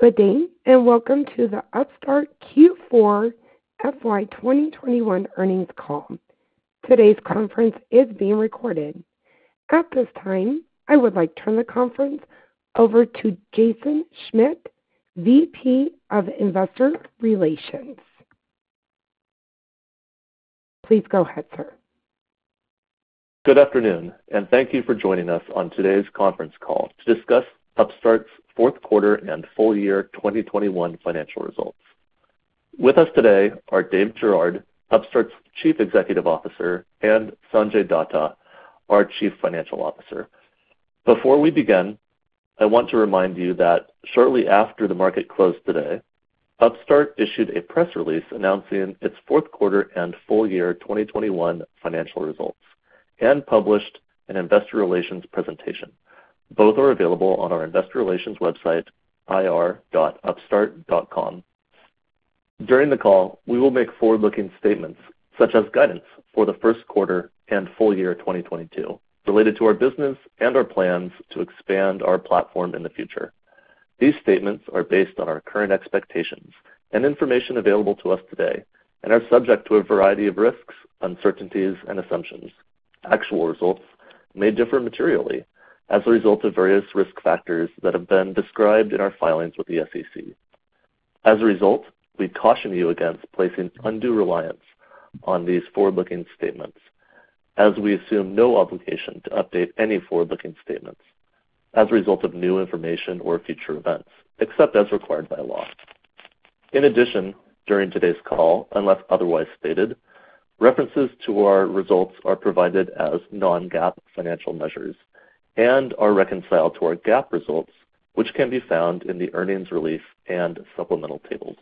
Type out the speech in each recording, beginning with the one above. Good day, and welcome to the Upstart Q4 FY 2021 earnings call. Today's conference is being recorded. At this time, I would like to turn the conference over to Jason Schmidt, VP of Investor Relations. Please go ahead, sir. Good afternoon, and thank you for joining us on today's conference call to discuss Upstart's Q4 and full year 2021 financial results. With us today are Dave Girouard, Upstart's Chief Executive Officer, and Sanjay Datta, our Chief Financial Officer. Before we begin, I want to remind you that shortly after the market closed today, Upstart issued a press release announcing its Q4 and full year 2021 financial results and published an investor relations presentation. Both are available on our investor relations website, ir.upstart.com. During the call, we will make forward-looking statements such as guidance for Q1 and full year 2022 related to our business and our plans to expand our platform in the future. These statements are based on our current expectations and information available to us today and are subject to a variety of risks, uncertainties and assumptions. Actual results may differ materially as a result of various risk factors that have been described in our filings with the SEC. As a result, we caution you against placing undue reliance on these forward-looking statements as we assume no obligation to update any forward-looking statements as a result of new information or future events, except as required by law. In addition, during today's call, unless otherwise stated, references to our results are provided as non-GAAP financial measures and are reconciled to our GAAP results, which can be found in the earnings release and supplemental tables.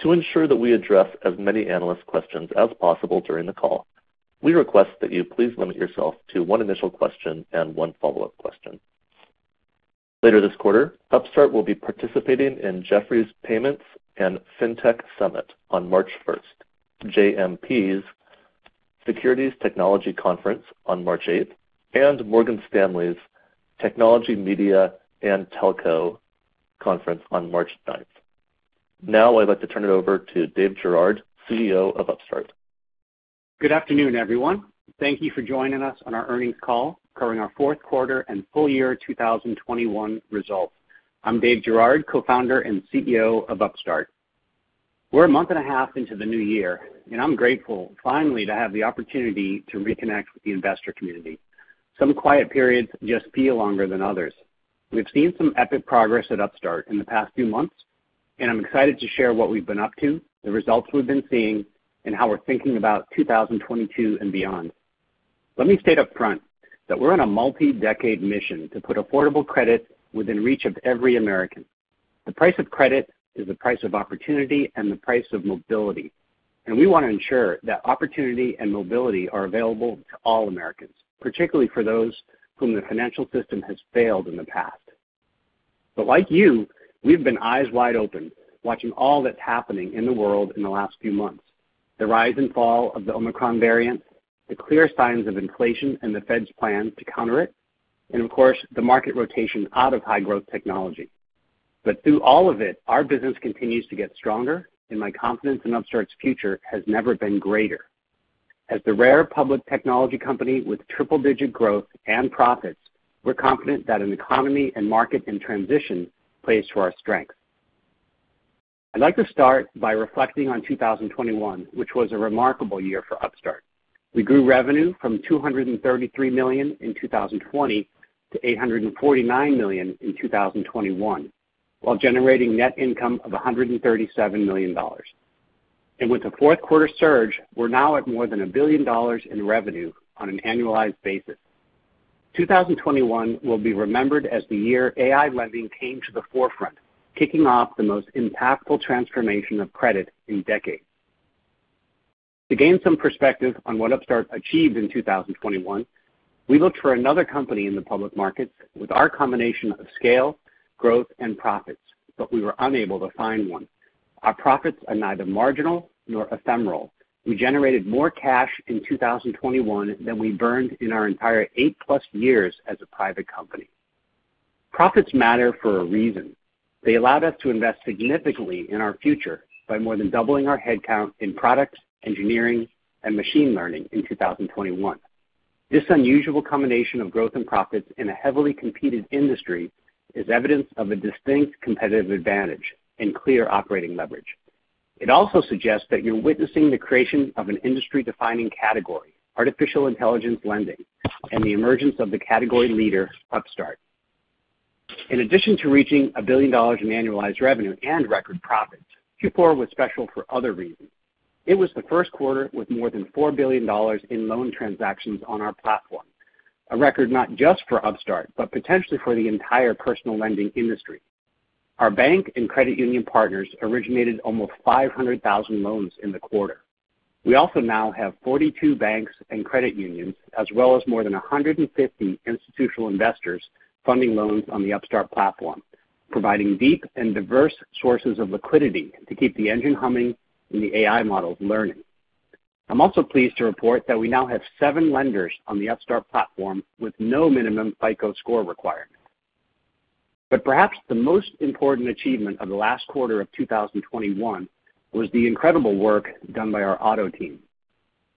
To ensure that we address as many analyst questions as possible during the call, we request that you please limit yourself to one initial question and one follow-up question. Later this quarter, Upstart will be participating in Jefferies Payments & FinTech Summit on March 1st, JMP Securities Technology Conference on March 8th, and Morgan Stanley Technology, Media & Telecom Conference on March 9th. Now I'd like to turn it over to Dave Girouard, CEO of Upstart. Good afternoon, everyone. Thank you for joining us on our earnings call covering our Q4 and full year 2021 results. I'm Dave Girouard, Co-founder and CEO of Upstart. We're a month and a half into the new year, and I'm grateful finally to have the opportunity to reconnect with the investor community. Some quiet periods just feel longer than others. We've seen some epic progress at Upstart in the past few months, and I'm excited to share what we've been up to, the results we've been seeing, and how we're thinking about 2022 and beyond. Let me state up front that we're on a multi-decade mission to put affordable credit within reach of every American. The price of credit is the price of opportunity and the price of mobility, and we want to ensure that opportunity and mobility are available to all Americans, particularly for those whom the financial system has failed in the past. Like you, we've been eyes wide open, watching all that's happening in the world in the last few months, the rise and fall of the Omicron variant, the clear signs of inflation and the Fed's plan to counter it, and of course, the market rotation out of high growth technology. Through all of it, our business continues to get stronger, and my confidence in Upstart's future has never been greater. As the rare public technology company with triple-digit growth and profits, we're confident that an economy and market in transition plays to our strength. I'd like to start by reflecting on 2021, which was a remarkable year for Upstart. We grew revenue from $233 million in 2020 to $849 million in 2021, while generating net income of $137 million. With a Q4 surge, we're now at more than $1 billion in revenue on an annualized basis. 2021 will be remembered as the year AI lending came to the forefront, kicking off the most impactful transformation of credit in decades. To gain some perspective on what Upstart achieved in 2021, we looked for another company in the public markets with our combination of scale, growth, and profits, but we were unable to find one. Our profits are neither marginal nor ephemeral. We generated more cash in 2021 than we burned in our entire 8+ years as a private company. Profits matter for a reason. They allowed us to invest significantly in our future by more than doubling our head count in products, engineering and machine learning in 2021. This unusual combination of growth and profits in a heavily competitive industry is evidence of a distinct competitive advantage and clear operating leverage. It also suggests that you're witnessing the creation of an industry-defining category, artificial intelligence lending, and the emergence of the category leader, Upstart. In addition to reaching $1 billion in annualized revenue and record profits, Q4 was special for other reasons. It was Q1 with more than $4 billion in loan transactions on our platform, a record not just for Upstart, but potentially for the entire personal lending industry. Our bank and credit union partners originated almost 500,000 loans in the quarter. We also now have 42 banks and credit unions, as well as more than 150 institutional investors funding loans on the Upstart platform, providing deep and diverse sources of liquidity to keep the engine humming and the AI models learning. I'm also pleased to report that we now have seven lenders on the Upstart platform with no minimum FICO score requirement. Perhaps the most important achievement of the last quarter of 2021 was the incredible work done by our auto team.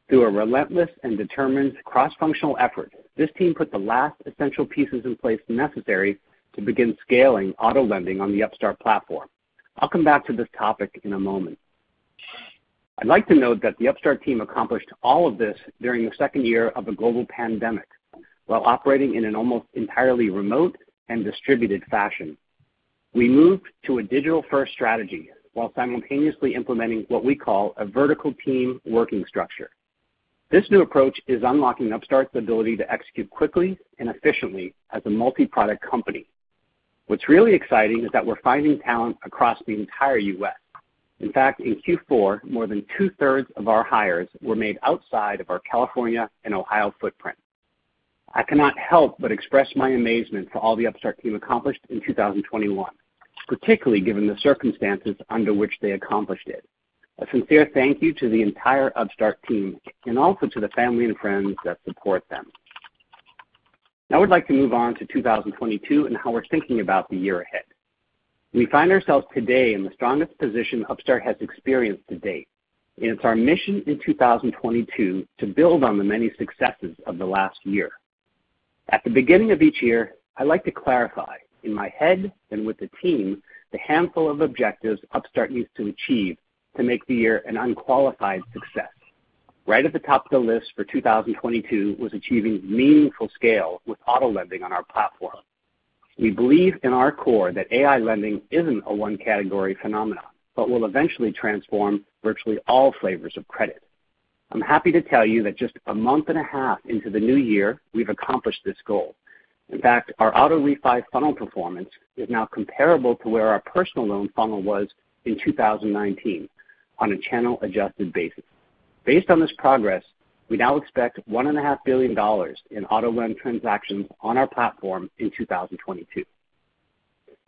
Through a relentless and determined cross-functional effort, this team put the last essential pieces in place necessary to begin scaling auto lending on the Upstart platform. I'll come back to this topic in a moment. I'd like to note that the Upstart team accomplished all of this during the second year of the global pandemic, while operating in an almost entirely remote and distributed fashion. We moved to a digital-first strategy while simultaneously implementing what we call a vertical team working structure. This new approach is unlocking Upstart's ability to execute quickly and efficiently as a multi-product company. What's really exciting is that we're finding talent across the entire U.S. In fact, in Q4, more than two-thirds of our hires were made outside of our California and Ohio footprint. I cannot help but express my amazement for all the Upstart team accomplished in 2021, particularly given the circumstances under which they accomplished it. A sincere thank you to the entire Upstart team, and also to the family and friends that support them. Now we'd like to move on to 2022 and how we're thinking about the year ahead. We find ourselves today in the strongest position Upstart has experienced to date, and it's our mission in 2022 to build on the many successes of the last year. At the beginning of each year, I like to clarify in my head and with the team the handful of objectives Upstart needs to achieve to make the year an unqualified success. Right at the top of the list for 2022 was achieving meaningful scale with auto lending on our platform. We believe in our core that AI lending isn't a one category phenomenon, but will eventually transform virtually all flavors of credit. I'm happy to tell you that just a month and a half into the new year, we've accomplished this goal. In fact, our auto refi funnel performance is now comparable to where our personal loan funnel was in 2019 on a channel-adjusted basis. Based on this progress, we now expect $1.5 billion in auto loan transactions on our platform in 2022.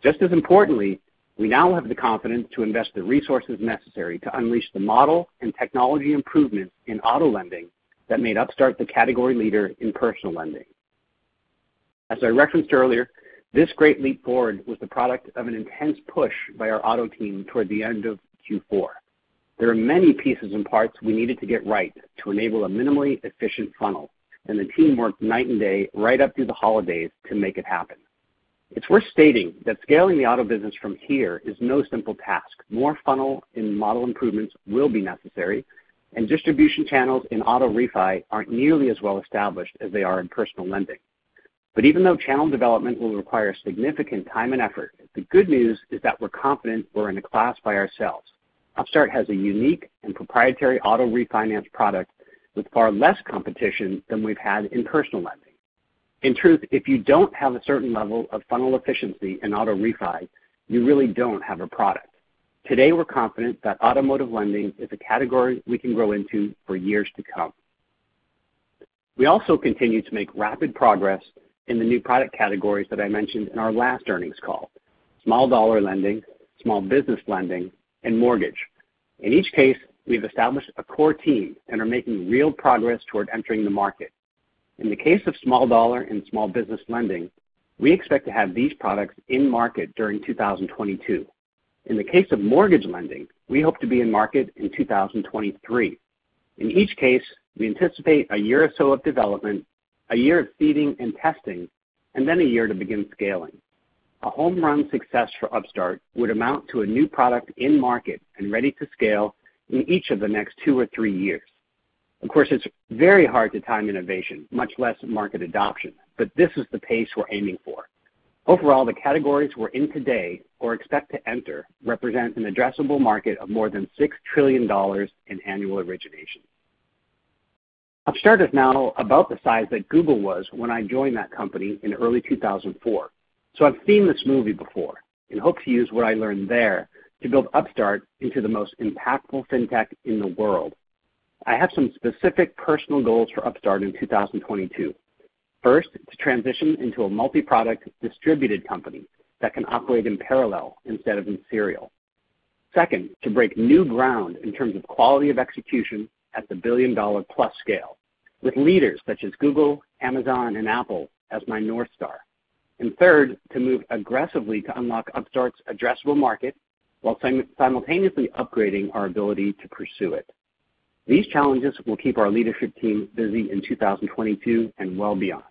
Just as importantly, we now have the confidence to invest the resources necessary to unleash the model and technology improvements in auto lending that made Upstart the category leader in personal lending. As I referenced earlier, this great leap forward was the product of an intense push by our auto team toward the end of Q4. There are many pieces and parts we needed to get right to enable a minimally efficient funnel, and the team worked night and day right up through the holidays to make it happen. It's worth stating that scaling the auto business from here is no simple task. More funnel and model improvements will be necessary, and distribution channels in auto refi aren't nearly as well established as they are in personal lending. Even though channel development will require significant time and effort, the good news is that we're confident we're in a class by ourselves. Upstart has a unique and proprietary auto refinance product with far less competition than we've had in personal lending. In truth, if you don't have a certain level of funnel efficiency in auto refi, you really don't have a product. Today, we're confident that automotive lending is a category we can grow into for years to come. We also continue to make rapid progress in the new product categories that I mentioned in our last earnings call. Small dollar lending, small business lending, and mortgage. In each case, we've established a core team and are making real progress toward entering the market. In the case of small dollar and small business lending, we expect to have these products in market during 2022. In the case of mortgage lending, we hope to be in market in 2023. In each case, we anticipate a year or so of development, a year of seeding and testing, and then a year to begin scaling. A home run success for Upstart would amount to a new product in market and ready to scale in each of the next two or three years. Of course, it's very hard to time innovation, much less market adoption, but this is the pace we're aiming for. Overall, the categories we're in today or expect to enter represent an addressable market of more than $6 trillion in annual origination. Upstart is now about the size that Google was when I joined that company in early 2004. I've seen this movie before and hope to use what I learned there to build Upstart into the most impactful fintech in the world. I have some specific personal goals for Upstart in 2022. First, to transition into a multi-product distributed company that can operate in parallel instead of in serial. Second, to break new ground in terms of quality of execution at the billion-dollar plus scale with leaders such as Google, Amazon, and Apple as my North Star. Third, to move aggressively to unlock Upstart's addressable market while simultaneously upgrading our ability to pursue it. These challenges will keep our leadership team busy in 2022 and well beyond.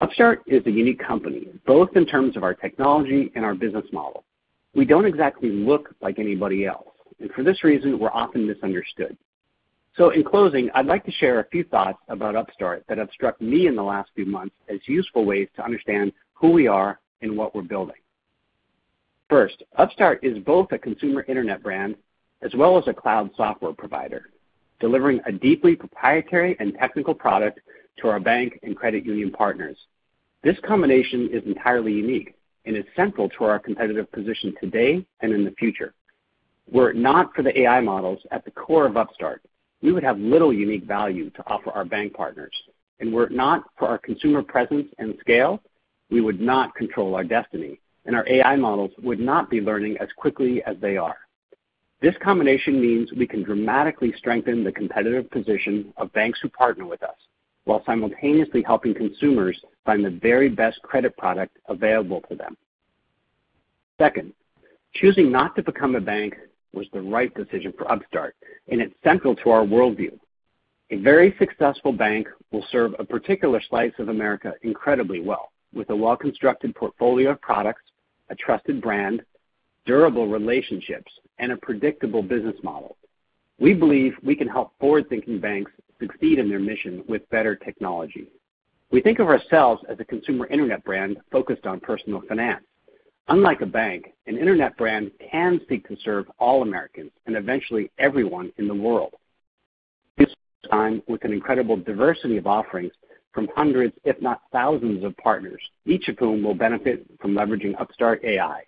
Upstart is a unique company, both in terms of our technology and our business model. We don't exactly look like anybody else, and for this reason, we're often misunderstood. In closing, I'd like to share a few thoughts about Upstart that have struck me in the last few months as useful ways to understand who we are and what we're building. First, Upstart is both a consumer internet brand as well as a cloud software provider, delivering a deeply proprietary and technical product to our bank and credit union partners. This combination is entirely unique and is central to our competitive position today and in the future. Were it not for the AI models at the core of Upstart, we would have little unique value to offer our bank partners. Were it not for our consumer presence and scale, we would not control our destiny, and our AI models would not be learning as quickly as they are. This combination means we can dramatically strengthen the competitive position of banks who partner with us, while simultaneously helping consumers find the very best credit product available to them. Second, choosing not to become a bank was the right decision for Upstart, and it's central to our worldview. A very successful bank will serve a particular slice of America incredibly well with a well-constructed portfolio of products, a trusted brand durable relationships, and a predictable business model. We believe we can help forward-thinking banks succeed in their mission with better technology. We think of ourselves as a consumer internet brand focused on personal finance. Unlike a bank, an internet brand can seek to serve all Americans and eventually everyone in the world. This time with an incredible diversity of offerings from hundreds, if not thousands of partners, each of whom will benefit from leveraging Upstart AI.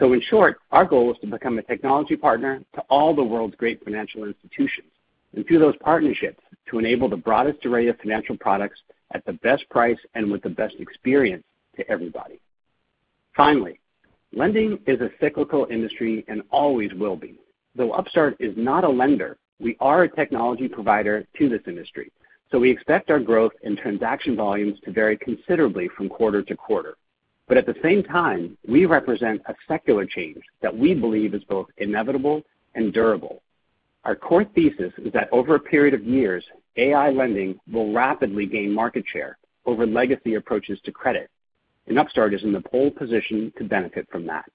In short, our goal is to become a technology partner to all the world's great financial institutions, and through those partnerships, to enable the broadest array of financial products at the best price and with the best experience to everybody. Finally, lending is a cyclical industry and always will be. Though Upstart is not a lender, we are a technology provider to this industry, so we expect our growth in transaction volumes to vary considerably from quarter to quarter. At the same time, we represent a secular change that we believe is both inevitable and durable. Our core thesis is that over a period of years, AI lending will rapidly gain market share over legacy approaches to credit, and Upstart is in the pole position to benefit from that.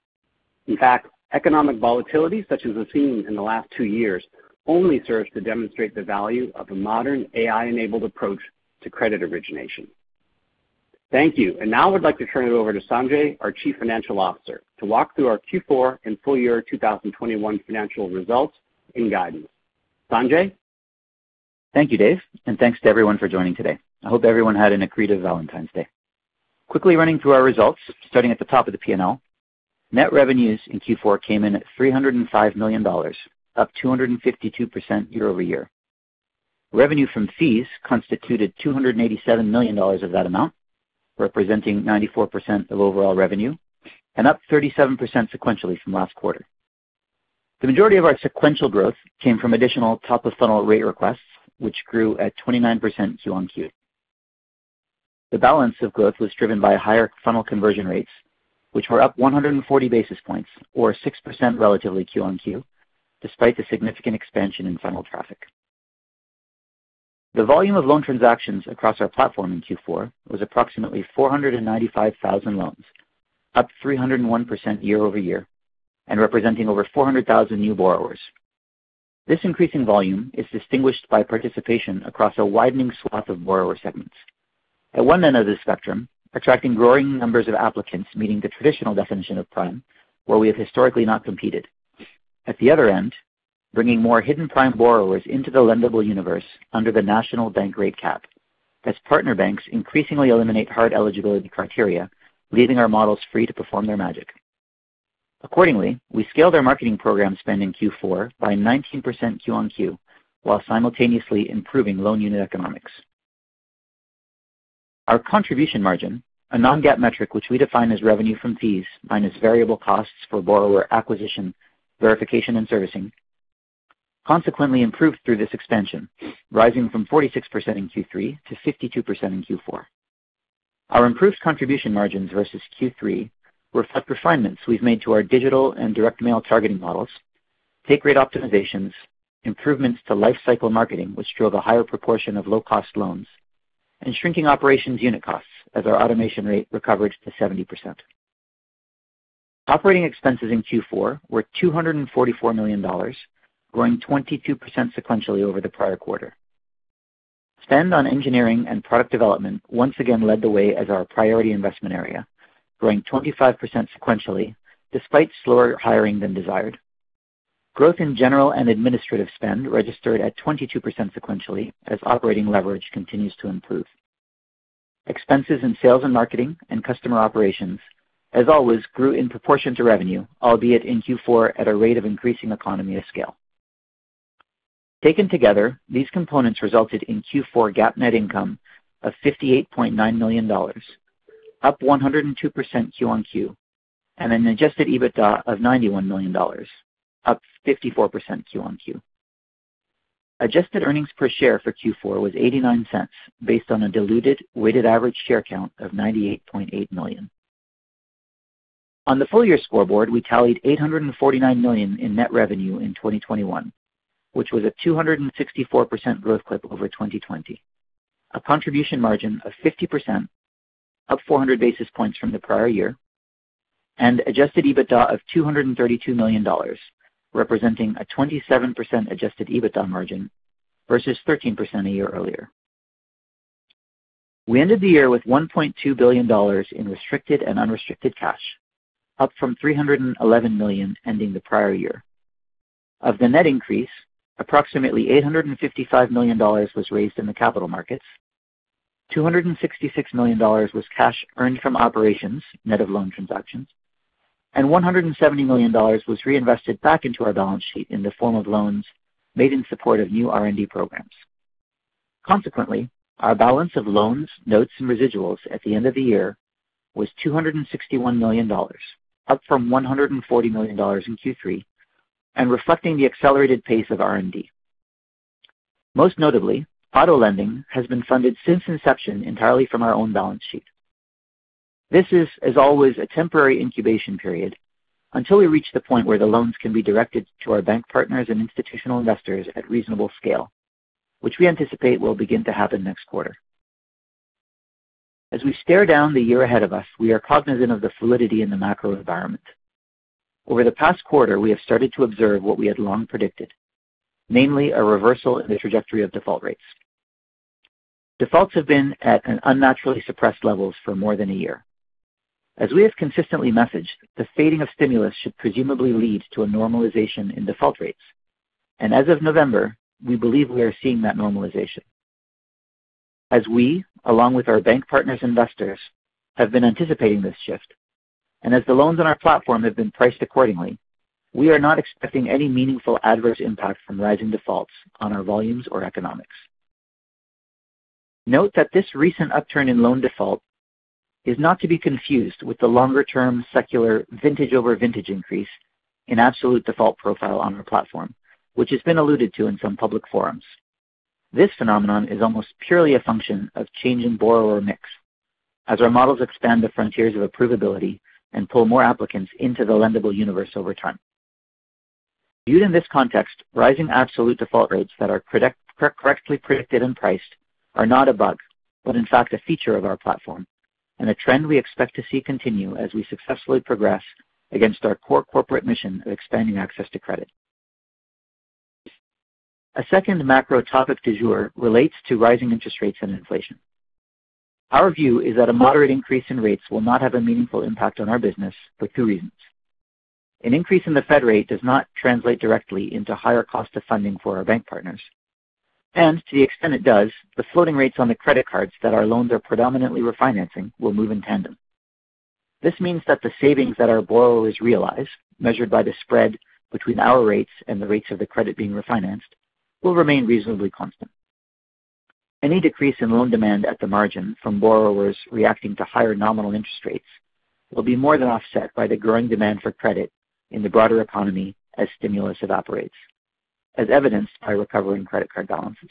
In fact, economic volatility such as we've seen in the last two years only serves to demonstrate the value of a modern AI-enabled approach to credit origination. Thank you. Now I'd like to turn it over to Sanjay, our Chief Financial Officer, to walk through our Q4 and full year 2021 financial results and guidance. Sanjay. Thank you, Dave, and thanks to everyone for joining today. I hope everyone had an accretive Valentine's Day. Quickly running through our results, starting at the top of the P&L. Net revenues in Q4 came in at $305 million, up 252% year-over-year. Revenue from fees constituted $287 million of that amount, representing 94% of overall revenue and up 37% sequentially from last quarter. The majority of our sequential growth came from additional top-of-funnel rate requests, which grew at 29% Q-on-Q. The balance of growth was driven by higher funnel conversion rates, which were up 140 basis points or 6% relatively Q-on-Q, despite the significant expansion in funnel traffic. The volume of loan transactions across our platform in Q4 was approximately 495,000 loans, up 301% year-over-year, and representing over 400,000 new borrowers. This increase in volume is distinguished by participation across a widening swath of borrower segments. At one end of the spectrum, attracting growing numbers of applicants meeting the traditional definition of prime, where we have historically not competed. At the other end, bringing more hidden prime borrowers into the lendable universe under the national rate cap. As partner banks increasingly eliminate hard eligibility criteria, leaving our models free to perform their magic. Accordingly, we scaled our marketing program spend in Q4 by 19% quarter-over-quarter while simultaneously improving loan unit economics. Our contribution margin, a non-GAAP metric which we define as revenue from fees minus variable costs for borrower acquisition, verification, and servicing, consequently improved through this expansion, rising from 46% in Q3 to 52% in Q4. Our improved contribution margins versus Q3 reflect refinements we've made to our digital and direct mail targeting models, take rate optimizations, improvements to lifecycle marketing, which drove a higher proportion of low-cost loans, and shrinking operations unit costs as our automation rate recovered to 70%. Operating expenses in Q4 were $244 million, growing 22% sequentially over the prior quarter. Spend on engineering and product development once again led the way as our priority investment area, growing 25% sequentially despite slower hiring than desired. Growth in general and administrative spend registered at 22% sequentially as operating leverage continues to improve. Expenses in sales and marketing and customer operations, as always, grew in proportion to revenue, albeit in Q4 at a rate of increasing economy of scale. Taken together, these components resulted in Q4 GAAP net income of $58.9 million, up 102% Q-o-Q, and an adjusted EBITDA of $91 million, up 54% Q-o-Q. Adjusted earnings per share for Q4 was $0.89 based on a diluted weighted average share count of 98.8 million. On the full-year scoreboard, we tallied $849 million in net revenue in 2021, which was a 264% growth clip over 2020. A contribution margin of 50%, up 400 basis points from the prior year, and adjusted EBITDA of $232 million, representing a 27% adjusted EBITDA margin versus 13% a year earlier. We ended the year with $1.2 billion in restricted and unrestricted cash, up from $311 million ending the prior year. Of the net increase, approximately $855 million was raised in the capital markets. $266 million was cash earned from operations net of loan transactions. $170 million was reinvested back into our balance sheet in the form of loans made in support of new R&D programs. Consequently, our balance of loans, notes, and residuals at the end of the year was $261 million, up from $140 million in Q3 and reflecting the accelerated pace of R&D. Most notably, auto lending has been funded since inception entirely from our own balance sheet. This is, as always, a temporary incubation period until we reach the point where the loans can be directed to our bank partners and institutional investors at reasonable scale, which we anticipate will begin to happen next quarter. As we stare down the year ahead of us, we are cognizant of the volatility in the macro environment. Over the past quarter, we have started to observe what we had long predicted, namely a reversal in the trajectory of default rates. Defaults have been at unnaturally suppressed levels for more than a year. As we have consistently messaged, the fading of stimulus should presumably lead to a normalization in default rates. As of November, we believe we are seeing that normalization. As we, along with our bank partners and investors, have been anticipating this shift, and as the loans on our platform have been priced accordingly, we are not expecting any meaningful adverse impact from rising defaults on our volumes or economics. Note that this recent upturn in loan default is not to be confused with the longer-term secular vintage over vintage increase in absolute default profile on our platform, which has been alluded to in some public forums. This phenomenon is almost purely a function of change in borrower mix as our models expand the frontiers of approvability and pull more applicants into the lendable universe over time. Viewed in this context, rising absolute default rates that are correctly predicted and priced are not a bug, but in fact a feature of our platform and a trend we expect to see continue as we successfully progress against our core corporate mission of expanding access to credit. A second macro topic du jour relates to rising interest rates and inflation. Our view is that a moderate increase in rates will not have a meaningful impact on our business for two reasons. An increase in the Fed rate does not translate directly into higher cost of funding for our bank partners. To the extent it does, the floating rates on the credit cards that our loans are predominantly refinancing will move in tandem. This means that the savings that our borrowers realize, measured by the spread between our rates and the rates of the credit being refinanced, will remain reasonably constant. Any decrease in loan demand at the margin from borrowers reacting to higher nominal interest rates will be more than offset by the growing demand for credit in the broader economy as stimulus evaporates, as evidenced by recovering credit card balances.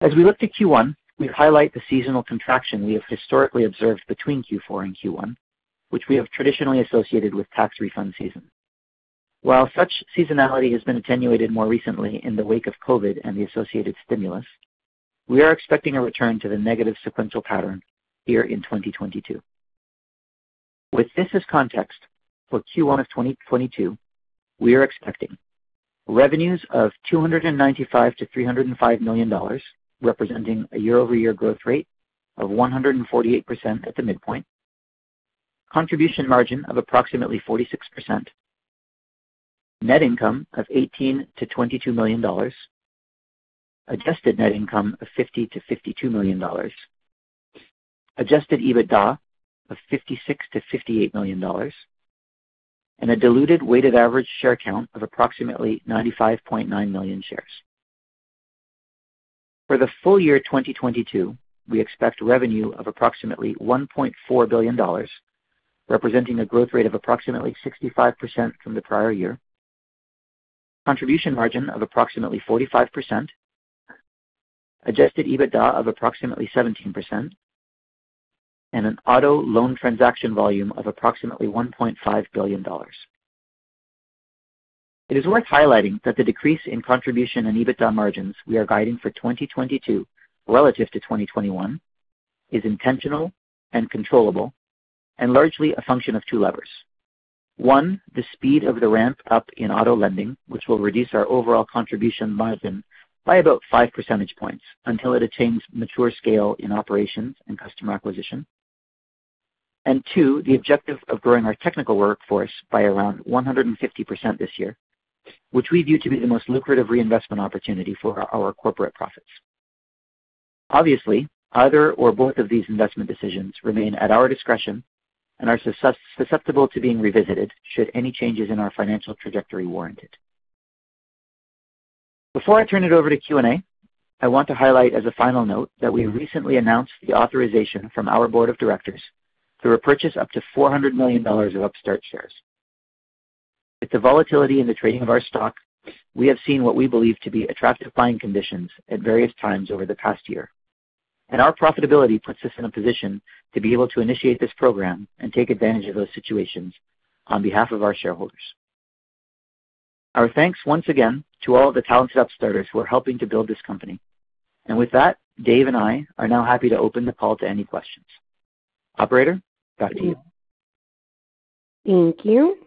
As we look to Q1, we highlight the seasonal contraction we have historically observed between Q4 and Q1, which we have traditionally associated with tax refund season. While such seasonality has been attenuated more recently in the wake of COVID and the associated stimulus, we are expecting a return to the negative sequential pattern here in 2022. With this as context for Q1 of 2022, we are expecting revenues of $295 million-$305 million, representing a year-over-year growth rate of 148% at the midpoint. Contribution margin of approximately 46%. Net income of $18 million-$22 million. Adjusted net income of $50 million-$52 million. Adjusted EBITDA of $56 million-$58 million. Diluted weighted average share count of approximately 95.9 million shares. For the full year 2022, we expect revenue of approximately $1.4 billion, representing a growth rate of approximately 65% from the prior year. Contribution margin of approximately 45%. Adjusted EBITDA of approximately 17%. Auto loan transaction volume of approximately $1.5 billion. It is worth highlighting that the decrease in contribution and EBITDA margins we are guiding for 2022 relative to 2021 is intentional and controllable and largely a function of two levers. One, the speed of the ramp-up in auto lending, which will reduce our overall contribution margin by about 5 percentage points until it attains mature scale in operations and customer acquisition. Two, the objective of growing our technical workforce by around 150% this year, which we view to be the most lucrative reinvestment opportunity for our corporate profits. Obviously, either or both of these investment decisions remain at our discretion and are susceptible to being revisited should any changes in our financial trajectory warrant it. Before I turn it over to Q&A, I want to highlight as a final note that we recently announced the authorization from our board of directors to repurchase up to $400 million of Upstart shares. With the volatility in the trading of our stock, we have seen what we believe to be attractive buying conditions at various times over the past year, and our profitability puts us in a position to be able to initiate this program and take advantage of those situations on behalf of our shareholders. Our thanks once again to all the talented Upstarters who are helping to build this company. With that, Dave and I are now happy to open the call to any questions. Operator, back to you. Thank you.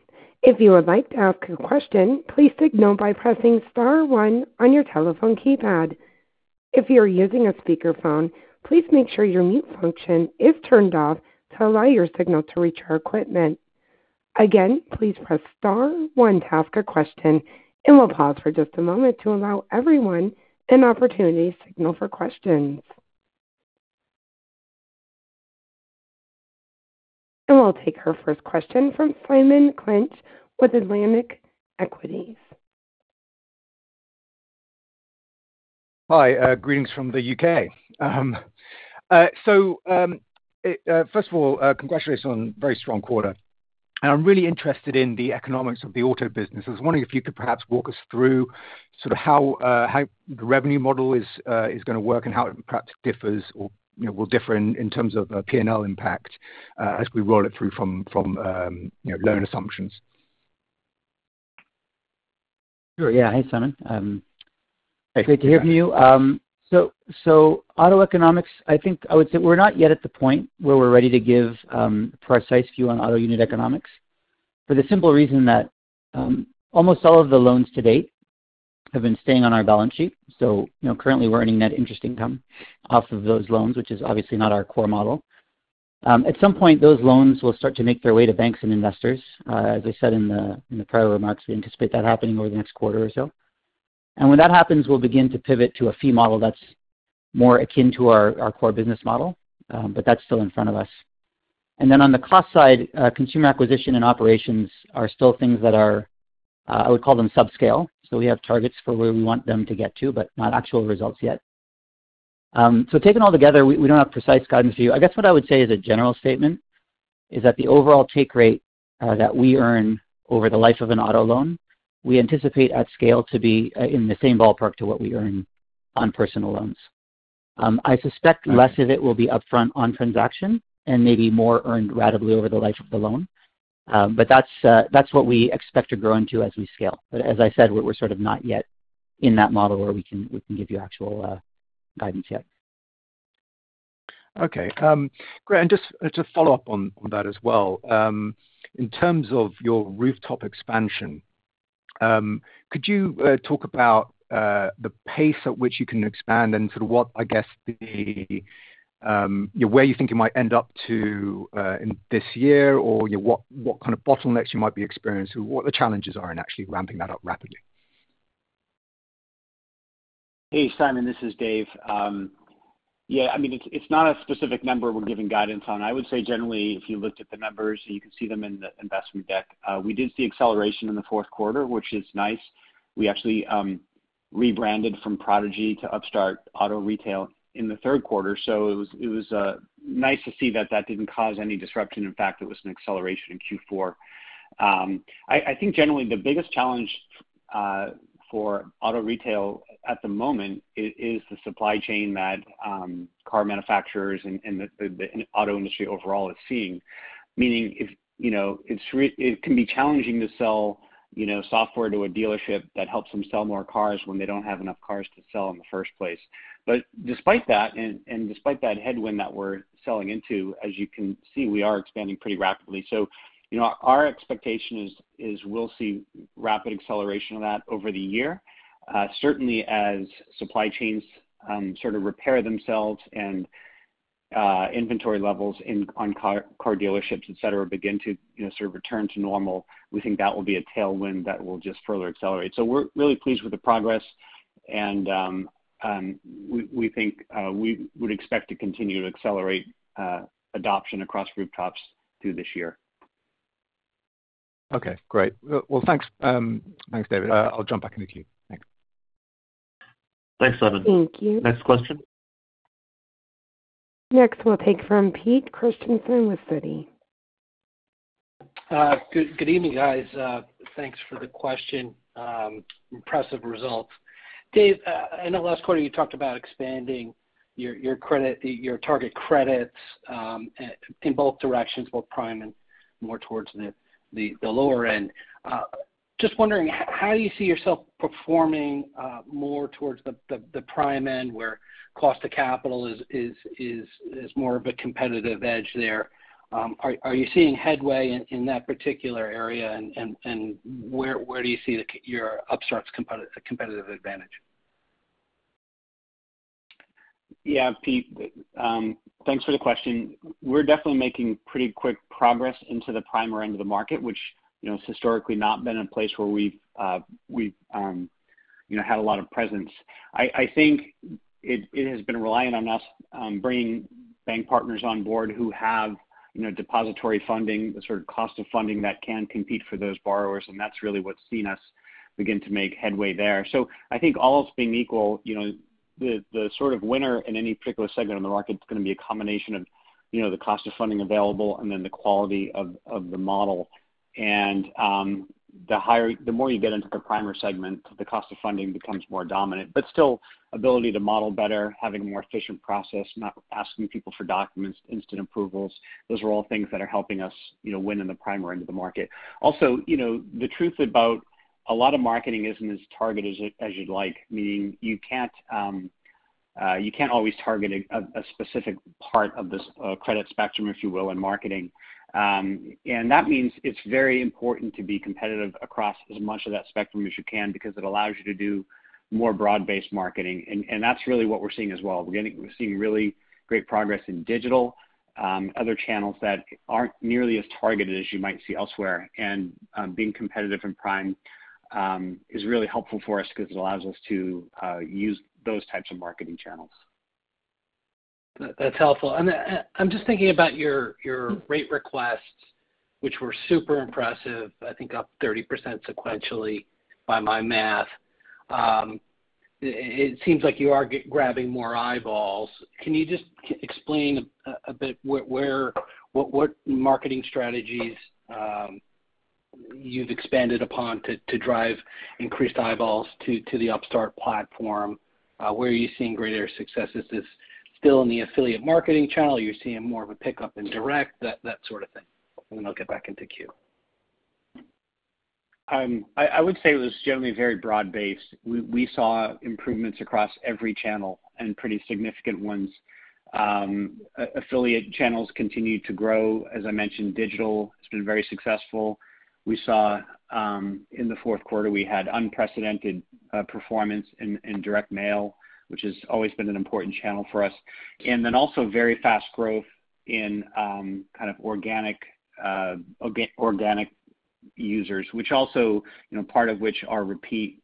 If you would like to ask a question, please signal by pressing star one on your telephone keypad. If you're using a speakerphone, please make sure your mute function is turned off to allow your signal to reach our equipment. Again, please press star one to ask a question, and we'll pause for just a moment to allow everyone an opportunity to signal for questions. We'll take our first question from Simon Clinch with Atlantic Equities. Hi, greetings from the U.K. First of all, congratulations on very strong quarter. I'm really interested in the economics of the auto business. I was wondering if you could perhaps walk us through how the revenue model is going to work and how it perhaps differs or will differ in terms of P&L impact as we roll it through from loan assumptions. Sure. Yes. Hey, Simon. Hey. Great to hear from you. Auto economics, I think I would say we're not yet at the point where we're ready to give a precise view on auto unit economics for the simple reason that almost all of the loans to date have been staying on our balance sheet. currently we're earning net interest income off of those loans, which is obviously not our core model. At some point, those loans will start to make their way to banks and investors. As I said in the prior remarks, we anticipate that happening over the next quarter or so. When that happens, we'll begin to pivot to a fee model that's more akin to our core business model, but that's still in front of us. On the cost side, consumer acquisition and operations are still things that are, I would call them subscale. We have targets for where we want them to get to, but not actual results yet. Taken all together, we don't have precise guidance for you. I guess what I would say as a general statement is that the overall take rate that we earn over the life of an auto loan, we anticipate at scale to be in the same ballpark to what we earn on personal loans. I suspect less of it will be upfront on transaction and maybe more earned ratably over the life of the loan. That's what we expect to grow into as we scale. As I said, we're not yet in that model where we can give you actual guidance yet. Okay. Great. Just to follow up on that as well, in terms of your rooftop expansion, could you talk about the pace at which you can expand and what I guess the where you think you might end up to in this year or, what bottlenecks you might be experiencing, what the challenges are in actually ramping that up rapidly? Hey, Simon. This is Dave. It's not a specific number we're giving guidance on. I would say generally, if you looked at the numbers, you can see them in the investment deck. We did see acceleration in Q4, which is nice. We actually rebranded from Prodigy to Upstart Auto Retail in Q3. It was nice to see that that didn't cause any disruption. In fact, it was an acceleration in Q4. I think generally the biggest challenge for auto retail at the moment is the supply chain that car manufacturers and the auto industry overall is seeing. Meaning if, it's it can be challenging to sell, software to a dealership that helps them sell more cars when they don't have enough cars to sell in the first place. Despite that and despite that headwind that we're selling into, as you can see, we are expanding pretty rapidly. our expectation is we'll see rapid acceleration of that over the year. Certainly as supply chains repair themselves and inventory levels on car dealerships, etc., begin to return to normal, we think that will be a tailwind that will just further accelerate. We're really pleased with the progress and we think we would expect to continue to accelerate adoption across rooftops through this year. Okay, great. Well, thanks, Dave. I'll jump back in the queue. Thanks. Thank you. Thanks, Simon. Next question. Next, we'll take from Peter Christiansen with Citi. Good evening, guys. Thanks for the question. Impressive results. Dave, I know last quarter you talked about expanding your credit, your target credits in both directions, both prime and more towards the lower end. Just wondering how you see yourself performing more towards the prime end where cost to capital is more of a competitive edge there. Are you seeing headway in that particular area? And where do you see your Upstart's competitive advantage? Pete, thanks for the question. We're definitely making pretty quick progress into the prime end of the market, which has historically not been a place where we've had a lot of presence. I think it has been reliant on us bringing bank partners on board who have, depository funding, the cost of funding that can compete for those borrowers, and that's really what's seen us begin to make headway there. I think all else being equal, the winner in any particular segment on the market is going to be a combination of, the cost of funding available and then the quality of the model. The more you get into the prime segment, the cost of funding becomes more dominant. Still ability to model better, having a more efficient process, not asking people for documents, instant approvals, those are all things that are helping us, win in the prime end of the market. the truth about a lot of marketing isn't as targeted as you'd like, meaning you can't always target a specific part of this credit spectrum, if you will, in marketing. That means it's very important to be competitive across as much of that spectrum as you can because it allows you to do more broad-based marketing. That's really what we're seeing as well. We're seeing really great progress in digital other channels that aren't nearly as targeted as you might see elsewhere. Being competitive in prime is really helpful for us 'cause it allows us to use those types of marketing channels. That's helpful. I'm just thinking about your rate requests, which were super impressive, I think up 30% sequentially by my math. It seems like you are grabbing more eyeballs. Can you just explain a bit what marketing strategies you've expanded upon to drive increased eyeballs to the Upstart platform? Where are you seeing greater success? Is this still in the affiliate marketing channel? Are you seeing more of a pickup in direct? That thing. I'll get back into queue. I would say it was generally very broad-based. We saw improvements across every channel, and pretty significant ones. Affiliate channels continued to grow. As I mentioned, digital has been very successful. We saw in Q4 we had unprecedented performance in direct mail, which has always been an important channel for us. Very fast growth in organic users, which also, part of which are repeat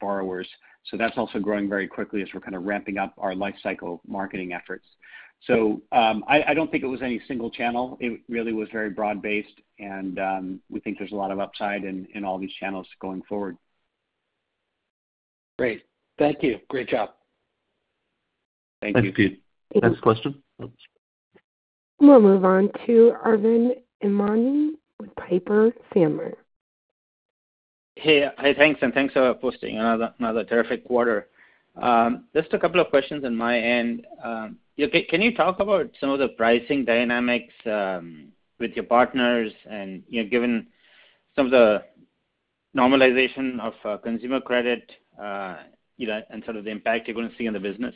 borrowers. That's also growing very quickly as we're ramping up our lifecycle marketing efforts. I don't think it was any single channel. It really was very broad-based, and we think there's a lot of upside in all these channels going forward. Great. Thank you. Great job. Thank you. Thanks, Pete. Next question. We'll move on to Arvind Ramnani with Piper Sandler. Hey, thanks, and thanks for posting another terrific quarter. Just a couple of questions on my end. Can you talk about some of the pricing dynamics with your partners and given some of the normalization of consumer credit, and some of the impact you're going to see on the business?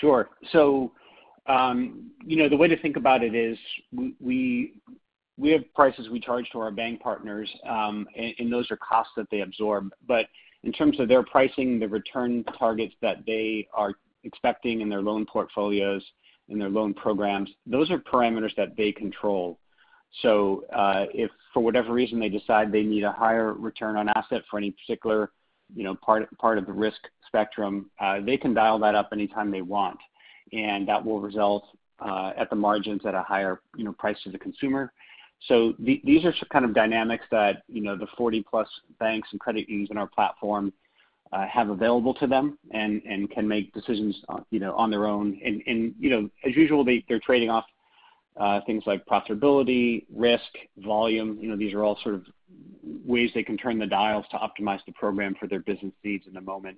Sure. the way to think about it is we have prices we charge to our bank partners, and those are costs that they absorb. In terms of their pricing, the return targets that they are expecting in their loan portfolios and their loan programs, those are parameters that they control. If for whatever reason they decide they need a higher Return on Assets for any particular, part of the risk spectrum, they can dial that up anytime they want, and that will result, at the margins at a higher, price to the consumer. These are dynamics that, the 40-plus banks and credit unions in our platform, have available to them and can make decisions on their own. As usual, they're trading off things like profitability, risk, volume. these are all ways they can turn the dials to optimize the program for their business needs in the moment.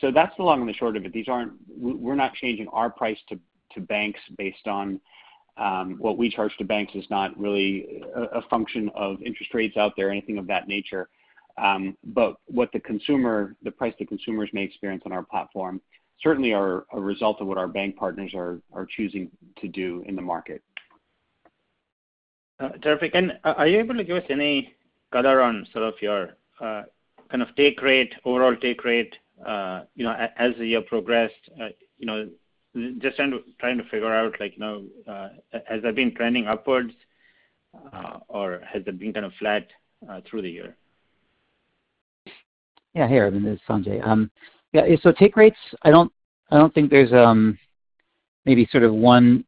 That's the long and the short of it. We're not changing our price to banks based on what we charge to banks is not really a function of interest rates out there or anything of that nature. But the price the consumers may experience on our platform certainly are a result of what our bank partners are choosing to do in the market. Terrific. Are you able to give us any color on your take rate, overall take rate, as the year progressed? Just trying to figure out like has that been trending upwards or has it been flat through the year? Hey, Arvind, it's Sanjay. Take rates, I don't think there's maybe one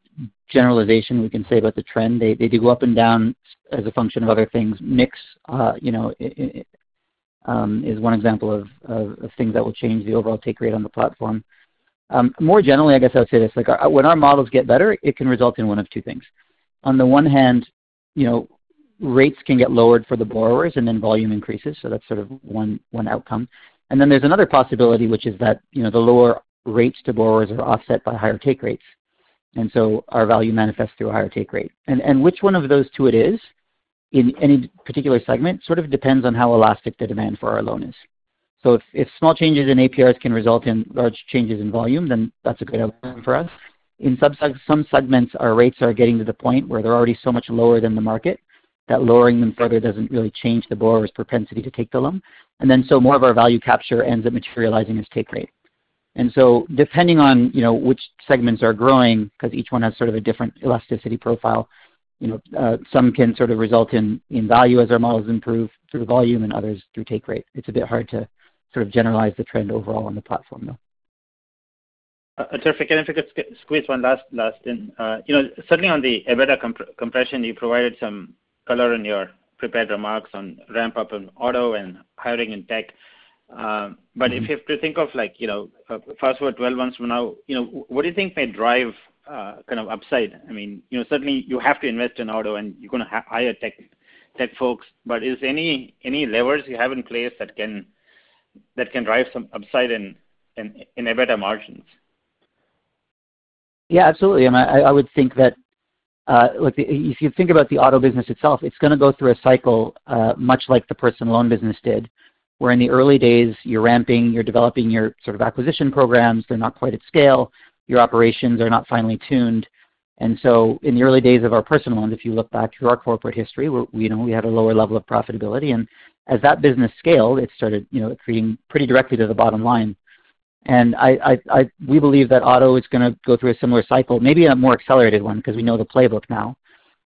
generalization we can say about the trend. They do go up and down as a function of other things. Mix, is one example of things that will change the overall take rate on the platform. More generally, I guess I would say this. Like, when our models get better, it can result in one of two things. On the one hand rates can get lowered for the borrowers and then volume increases, so that's one outcome. There's another possibility, which is that, the lower rates to borrowers are offset by higher take rates. Our value manifests through a higher take rate. Which one of those two it is in any particular segment depends on how elastic the demand for our loan is. If small changes in APRs can result in large changes in volume, then that's a good outcome for us. In some segments, our rates are getting to the point where they're already so much lower than the market that lowering them further doesn't really change the borrower's propensity to take the loan. More of our value capture ends up materializing as take rate. Depending on, which segments are growing, 'cause each one has a different elasticity profile, some can result in value as our models improve through volume and others through take rate. It's a bit hard to generalize the trend overall on the platform, though. Terrific. If I could squeeze one last in. Certainly, on the EBITDA compression, you provided some color in your prepared remarks on ramp-up in auto and hiring in tech. But if you have to think of fast-forward 12 months from now, what do you think may drive upside? Certainly, you have to invest in auto and you're going to hire tech folks, but is any levers you have in place that can drive some upside in EBITDA margins? Yes, absolutely. I would think that, if you think about the auto business itself, it's going to go through a cycle, much like the personal loan business did. Where in the early days, you're ramping, you're developing your acquisition programs, they're not quite at scale, your operations are not finely tuned. In the early days of our personal loans, if you look back through our corporate history, we had a lower level of profitability. As that business scaled, it started accreting pretty directly to the bottom line. We believe that auto is going to go through a similar cycle, maybe in a more accelerated one because we know the playbook now.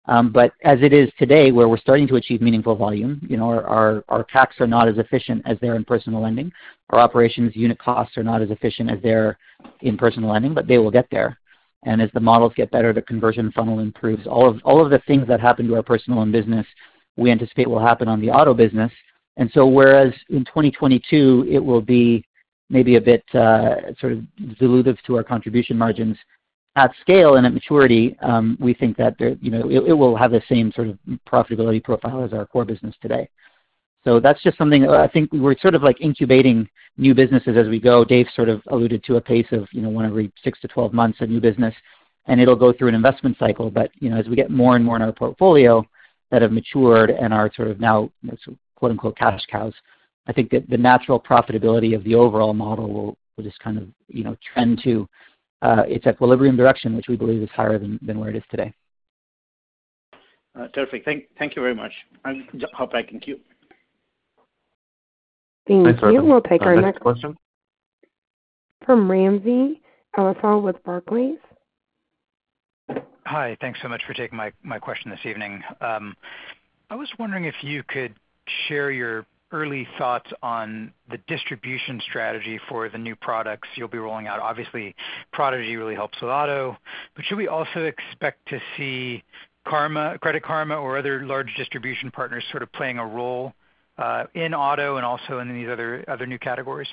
As it is today, where we're starting to achieve meaningful volume, our takes are not as efficient as they are in personal lending. Our operations unit costs are not as efficient as they are in personal lending, but they will get there. As the models get better, the conversion funnel improves. All of the things that happen to our personal and business we anticipate will happen on the auto business. Whereas in 2022 it will be maybe a bit, dilutive to our contribution margins, at scale and at maturity, we think thatit will have the same profitability profile as our core business today. That's just something that I think we're like incubating new businesses as we go. Dave alluded to a pace of, one every 6-12 months, a new business, and it'll go through an investment cycle. as we get more and more in our portfolio that have matured and are now quote-unquote cash cows. I think the natural profitability of the overall model will just trend to its equilibrium direction, which we believe is higher than where it is today. Terrific. Thank you very much. I'll hop back in queue. Thank you. Thanks, Arvind. Our next question. We'll take our next question from Ramsey El-Assal with Barclays. Hi. Thanks so much for taking my question this evening. I was wondering if you could share your early thoughts on the distribution strategy for the new products you'll be rolling out. Obviously, Prodigy really helps with auto, but should we also expect to see Credit Karma or other large distribution partners playing a role in auto and also in these other new categories?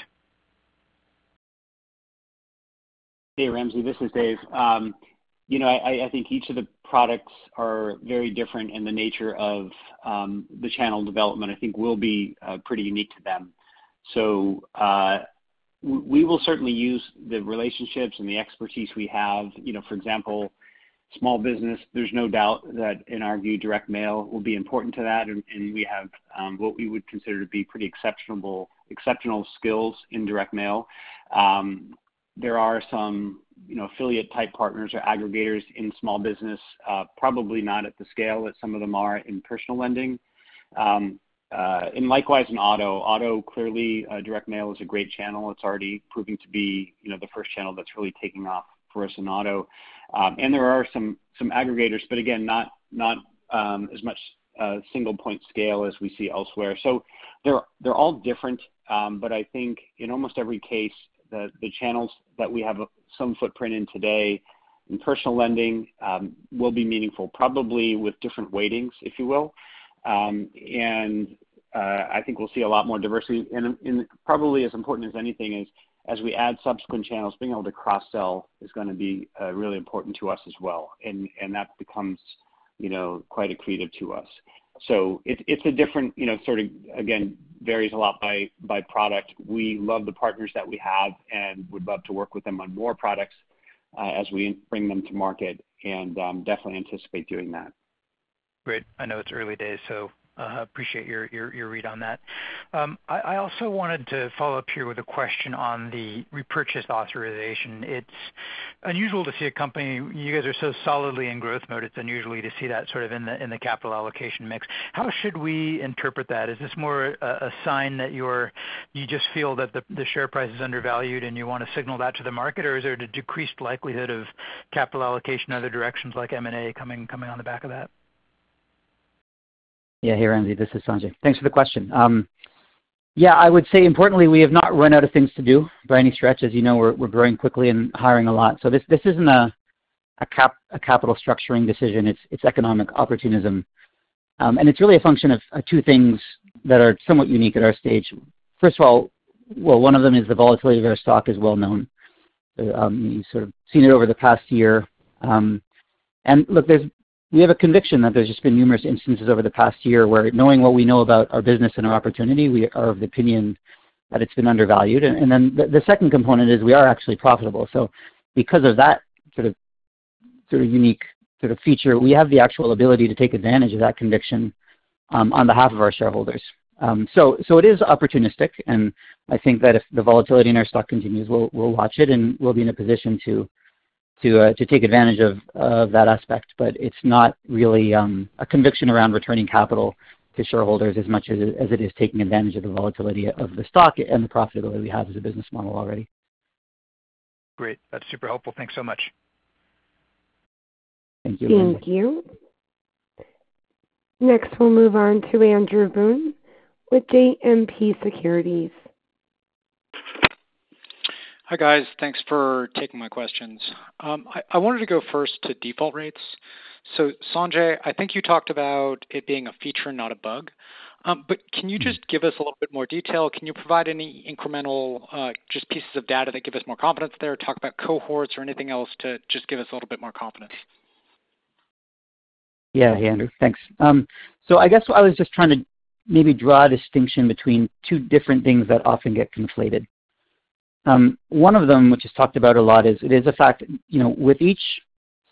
Hey, Ramsey El-Assal, this is Dave. I think each of the products are very different in the nature of the channel development. I think we'll be pretty unique to them. We will certainly use the relationships and the expertise we have. For example, small business, there's no doubt that in our view, direct mail will be important to that. We have what we would consider to be pretty exceptional skills in direct mail. There are some affiliate type partners or aggregators in small business, probably not at the scale that some of them are in personal lending. Likewise in auto. Auto, clearly, direct mail is a great channel. It's already proving to be the first channel that's really taking off for us in auto. There are some aggregators but again, not as much single point scale as we see elsewhere. They're all different. I think in almost every case, the channels that we have some footprint in today in personal lending will be meaningful, probably with different weightings, if you will. I think we'll see a lot more diversity. Probably as important as anything is, as we add subsequent channels, being able to cross-sell is going to be really important to us as well. That becomes quite accretive to us. It's a different, again, varies a lot by product. We love the partners that we have and would love to work with them on more products as we bring them to market and definitely anticipate doing that. Great. I know it's early days, so appreciate your read on that. I also wanted to follow-up here with a question on the repurchase authorization. It's unusual to see a company. You guys are so solidly in growth mode, it's unusual to see that in the capital allocation mix. How should we interpret that? Is this more a sign that you just feel that the share price is undervalued, and you want to signal that to the market? Or is there a decreased likelihood of capital allocation, other directions like M&A coming on the back of that? Hey, Ramsey, this is Sanjay. Thanks for the question. I would say importantly, we have not run out of things to do by any stretch. As you know we're growing quickly and hiring a lot. This isn't a capital structuring decision. It's economic opportunism. It's really a function of two things that are somewhat unique at our stage. First of all, one of them is the volatility of our stock is well known. You seen it over the past year. Look, we have a conviction that there's just been numerous instances over the past year where knowing what we know about our business and our opportunity, we are of the opinion that it's been undervalued. Then the second component is we are actually profitable. Because of that unique feature, we have the actual ability to take advantage of that conviction on behalf of our shareholders. It is opportunistic, and I think that if the volatility in our stock continues, we'll watch it, and we'll be in a position to take advantage of that aspect. It's not really a conviction around returning capital to shareholders as much as it is taking advantage of the volatility of the stock and the profitability we have as a business model already. Great. That's super helpful. Thanks so much. Thank you. Thank you. Next, we'll move on to Andrew Boone with JMP Securities. Hi, guys. Thanks for taking my questions. I wanted to go first to default rates. Sanjay, I think you talked about it being a feature, not a bug. But can you just give us a little bit more detail? Can you provide any incremental, just pieces of data that give us more confidence there? Talk about cohorts or anything else to just give us a little bit more confidence. Hey, Andrew. Thanks. I guess what I was just trying to maybe draw a distinction between two different things that often get conflated. One of them, which is talked about a lot, is it is a fact, with each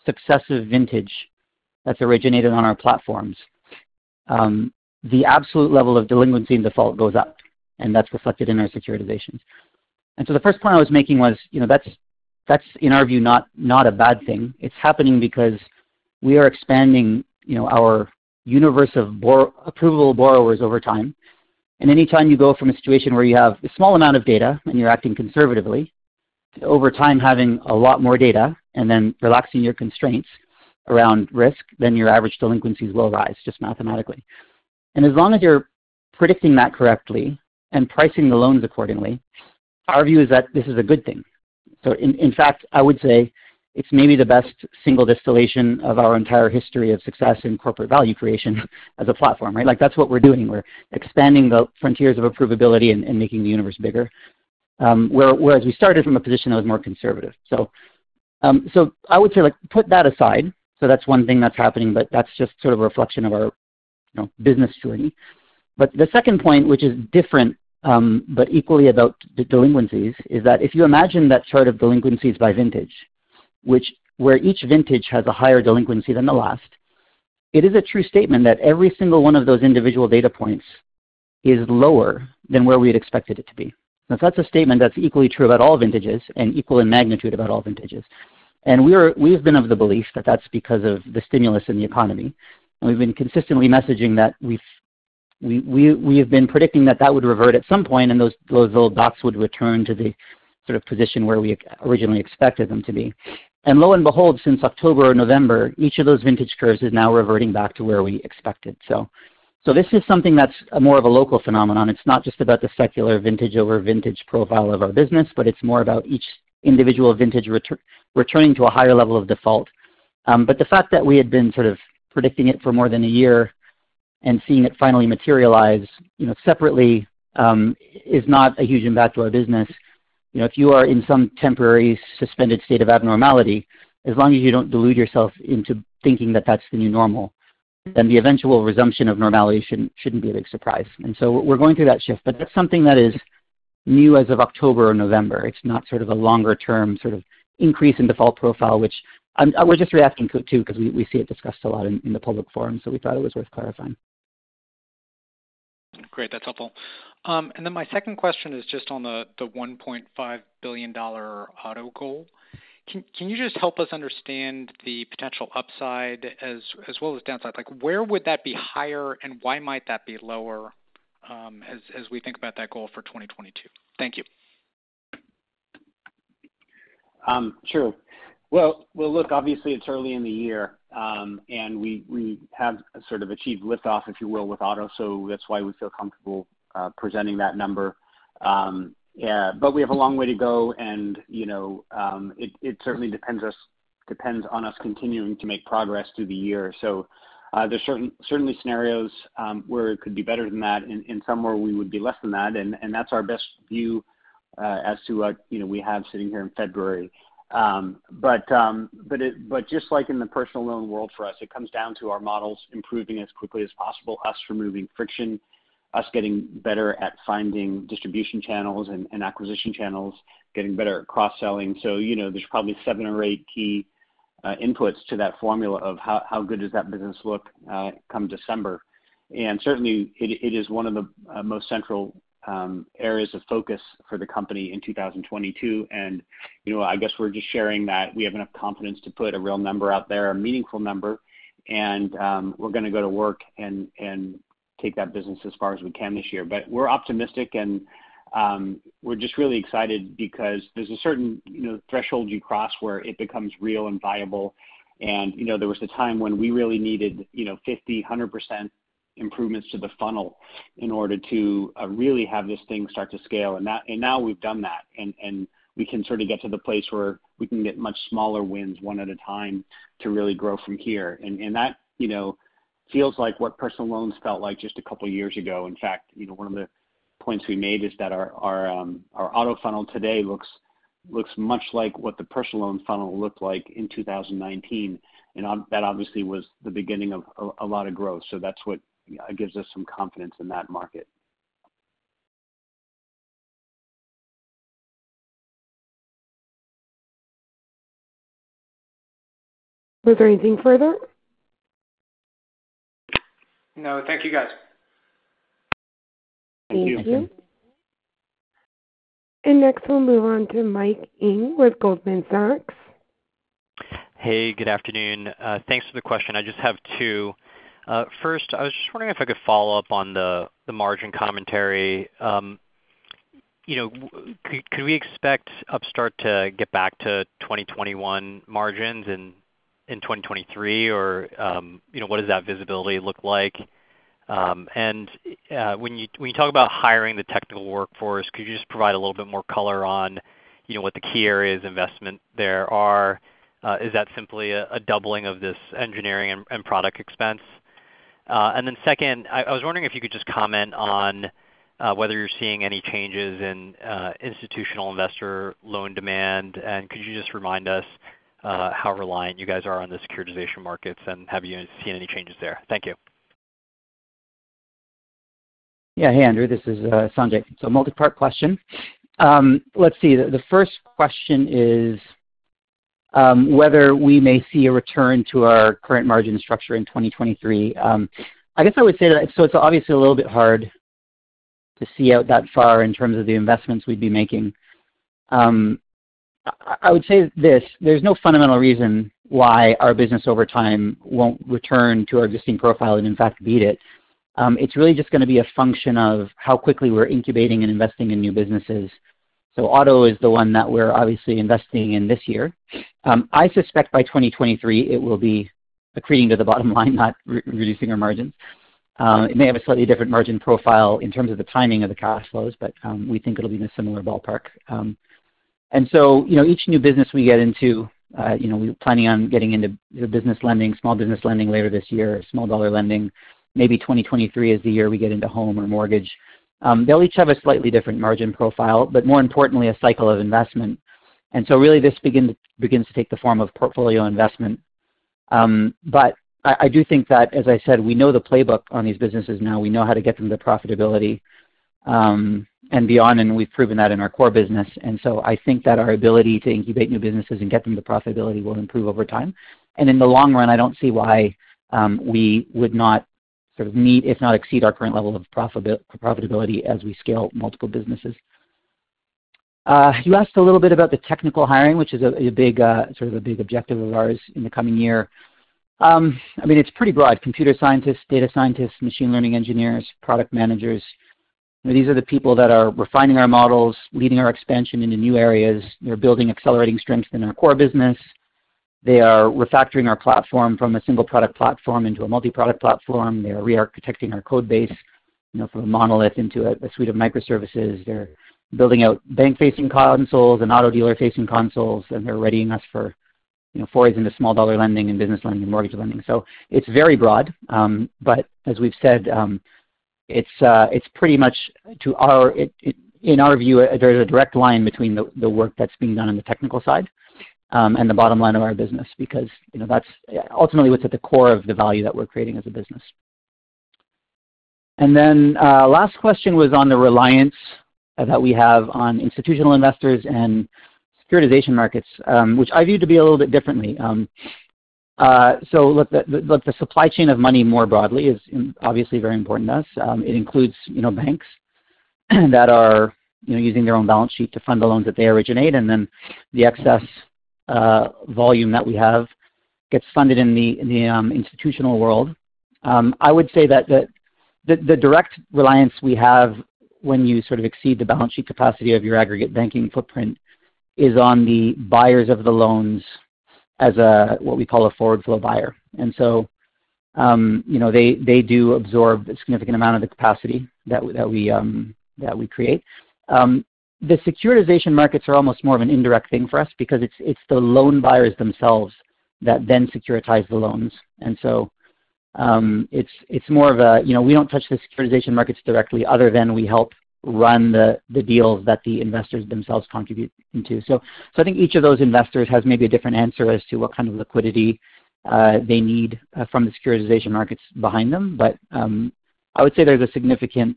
successive vintage that's originated on our platforms, the absolute level of delinquency and default goes up, and that's reflected in our securitizations. The first point I was making was, that's, in our view, not a bad thing. It's happening because we are expanding, our universe of borrowers over time. Any time you go from a situation where you have a small amount of data and you're acting conservatively over time, having a lot more data and then relaxing your constraints around risk, then your average delinquencies will rise just mathematically. As long as you're predicting that correctly and pricing the loans accordingly, our view is that this is a good thing. In fact, I would say it's maybe the best single distillation of our entire history of success in corporate value creation as a platform. That's what we're doing. We're expanding the frontiers of approvability and making the universe bigger, whereas we started from a position that was more conservative. I would say, like, put that aside. That's one thing that's happening, but that's just a reflection of our business journey. The second point, which is different, but equally about the delinquencies, is that if you imagine that delinquencies by vintage, where each vintage has a higher delinquency than the last, it is a true statement that every single one of those individual data points is lower than where we had expected it to be. Now, if that's a statement that's equally true about all vintages and equal in magnitude about all vintages, we have been of the belief that that's because of the stimulus in the economy. We've been consistently messaging that we have been predicting that that would revert at some point and those little dots would return to the position where we originally expected them to be. Lo and behold, since October or November, each of those vintage curves is now reverting back to where we expected. This is something that's more of a local phenomenon. It's not just about the secular vintage over vintage profile of our business, but it's more about each individual vintage returning to a higher level of default. But the fact that we had been predicting it for more than a year and seeing it finally materialize, separately, is not a huge impact to our business. if you are in some temporary suspended state of abnormality, as long as you don't delude yourself into thinking that that's the new normal, then the eventual resumption of normality shouldn't be a big surprise. We're going through that shift, but that's something that is new as of October or November. It's not a longer-term increase in default profile, which I was just re-asking too, 'cause we see it discussed a lot in the public forum, so we thought it was worth clarifying. Great. That's helpful. My second question is just on the $1.5 billion auto goal. Can you just help us understand the potential upside as well as downside? Where would that be higher and why might that be lower, as we think about that goal for 2022? Thank you. Sure. Well, look, obviously it's early in the year, and we have achieved liftoff, if you will, with auto. That's why we feel comfortable presenting that number. We have a long way to go and it certainly depends on us continuing to make progress through the year. There's certainly scenarios where it could be better than that and some where we would be less than that. That's our best view as to what, we have sitting here in February. Just like in the personal loan world, for us, it comes down to our models improving as quickly as possible, us removing friction, us getting better at finding distribution channels and acquisition channels, getting better at cross-selling. There's probably seven or eight key inputs to that formula of how good does that business look come December. It is one of the most central areas of focus for the company in 2022. I guess we're just sharing that we have enough confidence to put a real number out there, a meaningful number. We're going to go to work and take that business as far as we can this year. We're optimistic and we're just really excited because there's a certain threshold you cross where it becomes real and viable. There was a time when we really needed 50%-100% improvements to the funnel in order to really have this thing start to scale. Now we've done that and we can get to the place where we can get much smaller wins one at a time to really grow from here. That feels like what personal loans felt like just a couple years ago. In fact, one of the points we made is that our auto funnel today looks much like what the personal loan funnel looked like in 2019. That obviously was the beginning of a lot of growth. That's what gives us some confidence in that market. Was there anything further? No, thank you, guys. Thank you. Thank you. Next we'll move on to Mike Ng with Goldman Sachs. Hey, good afternoon. Thanks for the question. I just have two. First, I was just wondering if I could follow up on the margin commentary. could we expect Upstart to get back to 2021 margins in 2023? Or what does that visibility look like? When you talk about hiring the technical workforce, could you just provide a little bit more color on what the key areas investment there are? Is that simply a doubling of this engineering and product expense? Second, I was wondering if you could just comment on institutional investor loan demand and could you just remind us how reliant you guys are on the securitization markets, and have you seen any changes there? Thank you. Hey, Andrew, this is Sanjay. Multi-part question. Let's see. The first question is whether we may see a return to our current margin structure in 2023. I guess I would say that it's obviously a little bit hard to see out that far in terms of the investments we'd be making. I would say this, there's no fundamental reason why our business over time won't return to our existing profile and in fact beat it. It's really just going to be a function of how quickly we're incubating and investing in new businesses. Auto is the one that we're obviously investing in this year. I suspect by 2023 it will be accreting to the bottom line, not re-reducing our margins. It may have a slightly different margin profile in terms of the timing of the cash flows, but we think it'll be in a similar ballpark. Each new business we get into, we're planning on getting into business lending, small business lending later this year, small dollar lending. Maybe 2023 is the year we get into home or mortgage. They'll each have a slightly different margin profile, but more importantly, a cycle of investment. Really this begins to take the form of portfolio investment. But I do think that, as I said, we know the playbook on these businesses now, we know how to get them to profitability, and beyond, and we've proven that in our core business. I think that our ability to incubate new businesses and get them to profitability will improve over time. In the long run, I don't see why we would not meet, if not exceed, our current level of profitability as we scale multiple businesses. You asked a little bit about the technical hiring, which is a big a big objective of ours in the coming year. It's pretty broad. Computer scientists, data scientists, machine learning engineers, product managers. These are the people that are refining our models, leading our expansion into new areas. They're building accelerating strengths in our core business. They are refactoring our platform from a single product platform into a multi-product platform. They're re-architecting our code base, from a monolith into a suite of microservices. They're building out bank-facing consoles and auto dealer-facing consoles, and they're readying us for, forays into small dollar lending and business lending and mortgage lending. It's very broad, but as we've said, it's pretty much in our view a very direct line between the work that's being done on the technical side and the bottom line of our business because, that's ultimately what's at the core of the value that we're creating as a business. Last question was on the reliance that we have on institutional investors and securitization markets, which I view to be a little bit differently. Look, the supply chain of money more broadly is obviously very important to us. It includes banks that are using their own balance sheet to fund the loans that they originate, and then the excess volume that we have gets funded in the institutional world. I would say that the direct reliance we have when you exceed the balance sheet capacity of your aggregate banking footprint is on the buyers of the loans as, what we call a forward flow buyer. They do absorb a significant amount of the capacity that we create. The securitization markets are almost more of an indirect thing for us because it's the loan buyers themselves that then securitize the loans. It's more of, we don't touch the securitization markets directly other than we help run the deals that the investors themselves contribute into. I think each of those investors has maybe a different answer as to what liquidity they need from the securitization markets behind them. But I would say there's a significant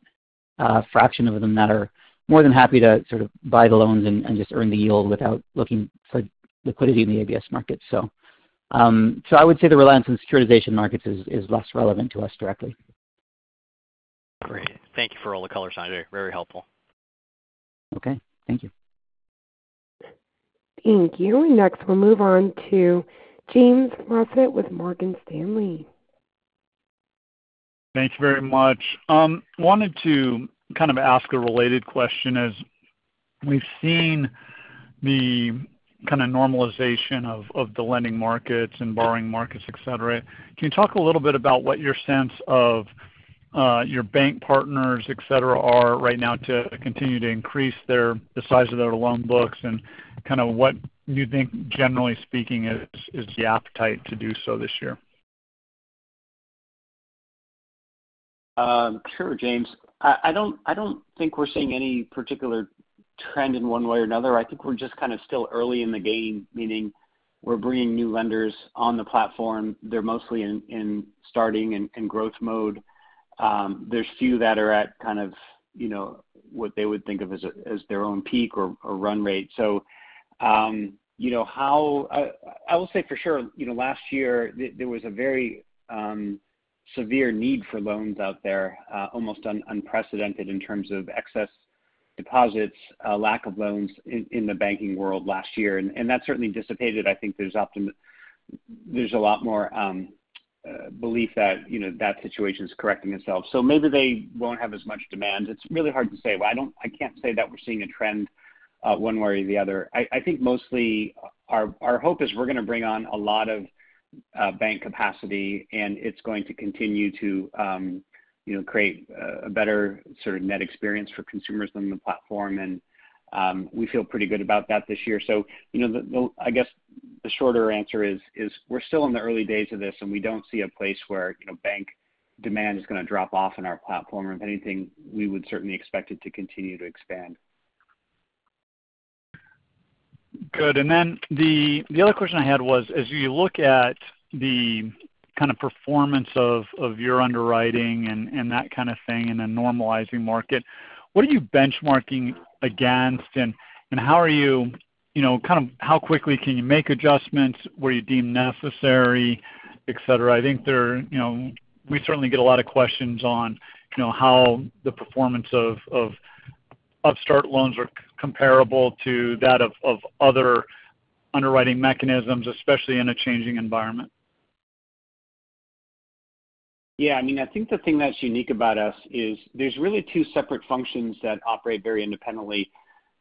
fraction of them that are more than happy to buy the loans and just earn the yield without looking for liquidity in the ABS market. I would say the reliance on securitization markets is less relevant to us directly. Great. Thank you for all the color, Sanjay. Very helpful. Okay. Thank you. Thank you. Next, we'll move on to James Faucette with Morgan Stanley. Thanks very much. I wanted to ask a related question. As we've seen the kinda normalization of the lending markets and borrowing markets, etc. Can you talk a little bit about what your sense of your bank partners, et cetera, are right now to continue to increase the size of their loan books and what you think, generally speaking, is the appetite to do so this year? Sure, James. I don't think we're seeing any particular trend in one way or another. I think we're just still early in the game, meaning we're bringing new lenders on the platform. They're mostly in starting and growth mode. There's few that are at what they would think of as their own peak or run rate. I will say for sure, last year there was a very severe need for loans out there, almost unprecedented in terms of excess deposits, lack of loans in the banking world last year. That certainly dissipated. I think there's a lot more belief that, that situation's correcting itself. Maybe they won't have as much demand. It's really hard to say. I can't say that we're seeing a trend, one way or the other. I think mostly our hope is we're going to bring on a lot of bank capacity, and it's going to continue to create a better net experience for consumers on the platform and we feel pretty good about that this year. The shorter answer is we're still in the early days of this, and we don't see a place where bank demand is going to drop off in our platform. If anything, we would certainly expect it to continue to expand. Good. The other question I had was, as you look at the performance of your underwriting and that thing in a normalizing market, what are you benchmarking against and how are how quickly can you make adjustments, where you deem necessary, etc? I think there, we certainly get a lot of questions on how the performance of Upstart loans are comparable to that of other underwriting mechanisms, especially in a changing environment. Yes. I think the thing that's unique about us is there's really two separate functions that operate very independently.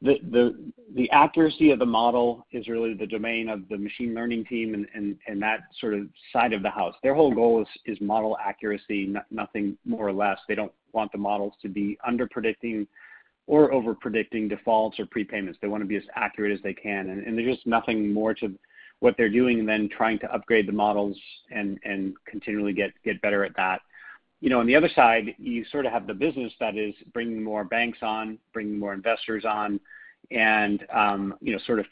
The accuracy of the model is really the domain of the machine learning team and that side of the house. Their whole goal is model accuracy, nothing more or less. They don't want the models to be under-predicting or over-predicting defaults or prepayments. They want to be as accurate as they can. There's just nothing more to what they're doing than trying to upgrade the models and continually get better at that. On the other side, you have the business that is bringing more banks on, bringing more investors on and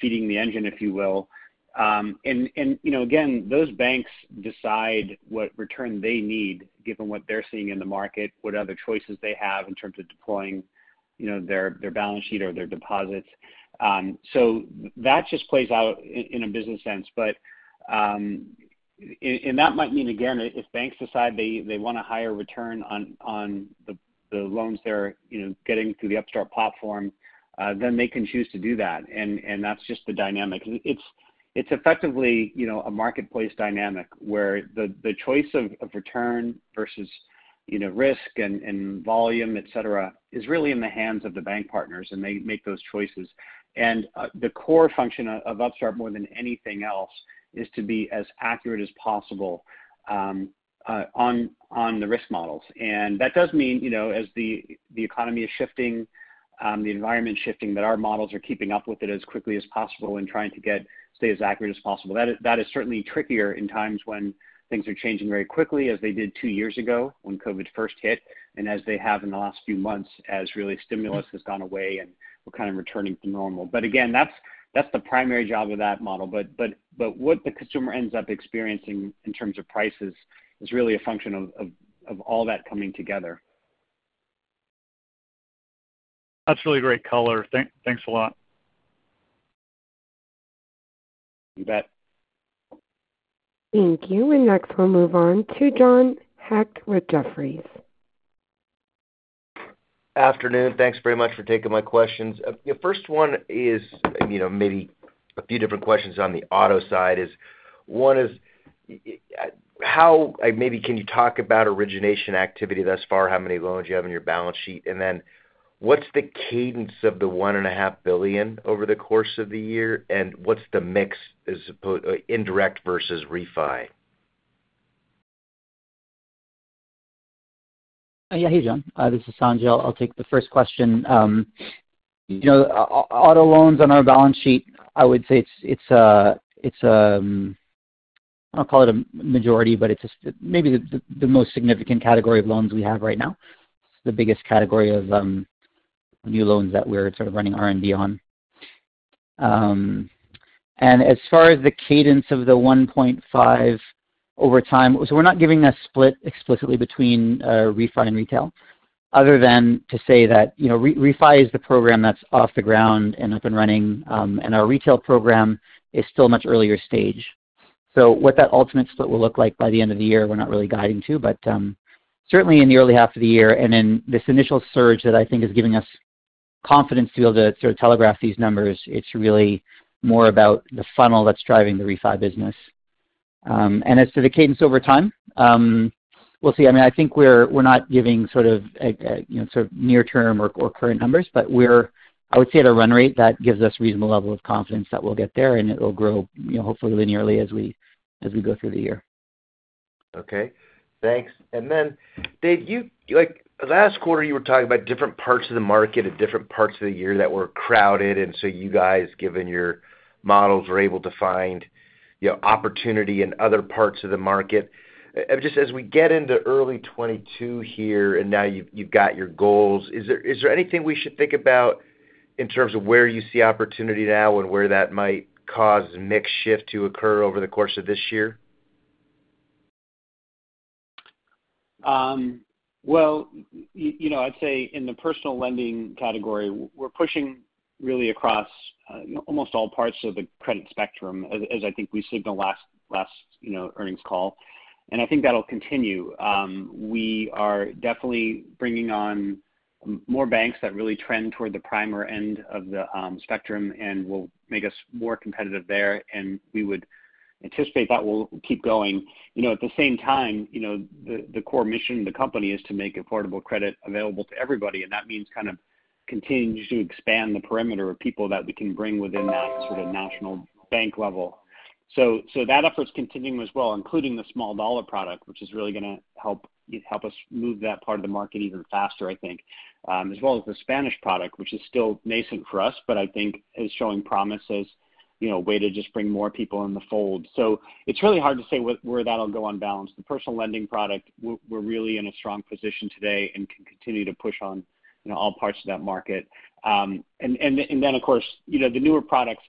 feeding the engine, if you will. Again, those banks decide what return they need given what they're seeing in the market, what choices they have in terms of deploying, their balance sheet or their deposits. That just plays out in a business sense. That might mean, again, if banks decide they want a higher return on the loans they're getting through the Upstart platform, then they can choose to do that. That's just the dynamic. It's effectively a marketplace dynamic where the choice of return versus risk and volume, etc., is really in the hands of the bank partners, and they make those choices. The core function of Upstart more than anything else is to be as accurate as possible on the risk models. That does mean, as the economy is shifting, the environment shifting, that our models are keeping up with it as quickly as possible and trying to stay as accurate as possible. That is certainly trickier in times when things are changing very quickly as they did two years ago when COVID first hit, and as they have in the last few months as really stimulus has gone away and we're returning to normal. Again, that's the primary job of that model. What the consumer ends up experiencing in terms of prices is really a function of all that coming together. That's really great color. Thanks a lot. You bet. Thank you. Next we'll move on to John Hecht with Jefferies. Afternoon. Thanks very much for taking my questions. First one is, maybe a few different questions on the auto side is, one is maybe can you talk about origination activity thus far, how many loans you have on your balance sheet? Then what's the cadence of the $1.5 billion over the course of the year, and what's the mix, indirect versus refi? Hey, John. This is Sanjay. I'll take the first question. auto loans on our balance sheet, I would say it's a majority, but it's just maybe the most significant category of loans we have right now. It's the biggest category of new loans that we're running R&D on. As far as the cadence of the 1.5 over time, we're not giving a split explicitly between refi and retail other than to say that, refi is the program that's off the ground and up and running, and our retail program is still much earlier stage. What that ultimate split will look like by the end of the year, we're not really guiding to, but certainly in the early half of the year and in this initial surge that I think is giving us confidence to be able to telegraph these numbers, it's really more about the funnel that's driving the refi business. As to the cadence over time, we'll see. I think we're not giving a, near term or current numbers, but I would say at a run rate that gives us reasonable level of confidence that we'll get there, and it'll grow, hopefully linearly as we go through the year. Okay, thanks. Dave, last quarter, you were talking about different parts of the market at different parts of the year that were crowded, and so you guys, given your models, were able to find, opportunity in other parts of the market. Just as we get into early 2022 here, and now you've got your goals, is there anything we should think about in terms of where you see opportunity now and where that might cause a mix shift to occur over the course of this year? Well, I'd say in the personal lending category, we're pushing really across almost all parts of the credit spectrum, as I think we signaled last earnings call, and I think that'll continue. We are definitely bringing on more banks that really trend toward the prime end of the spectrum and will make us more competitive there, and we would anticipate that will keep going. at the same time, the core mission of the company is to make affordable credit available to everybody, and that means continuing to expand the perimeter of people that we can bring within that national bank level. That effort's continuing as well, including the small dollar product, which is really going to help us move that part of the market even faster, I think. As well as the Spanish-language product, which is still nascent for us, but I think is showing promise as a way to just bring more people in the fold. It's really hard to say where that'll go on balance. The personal lending product, we're really in a strong position today and can continue to push on all parts of that market. Of course, the newer products.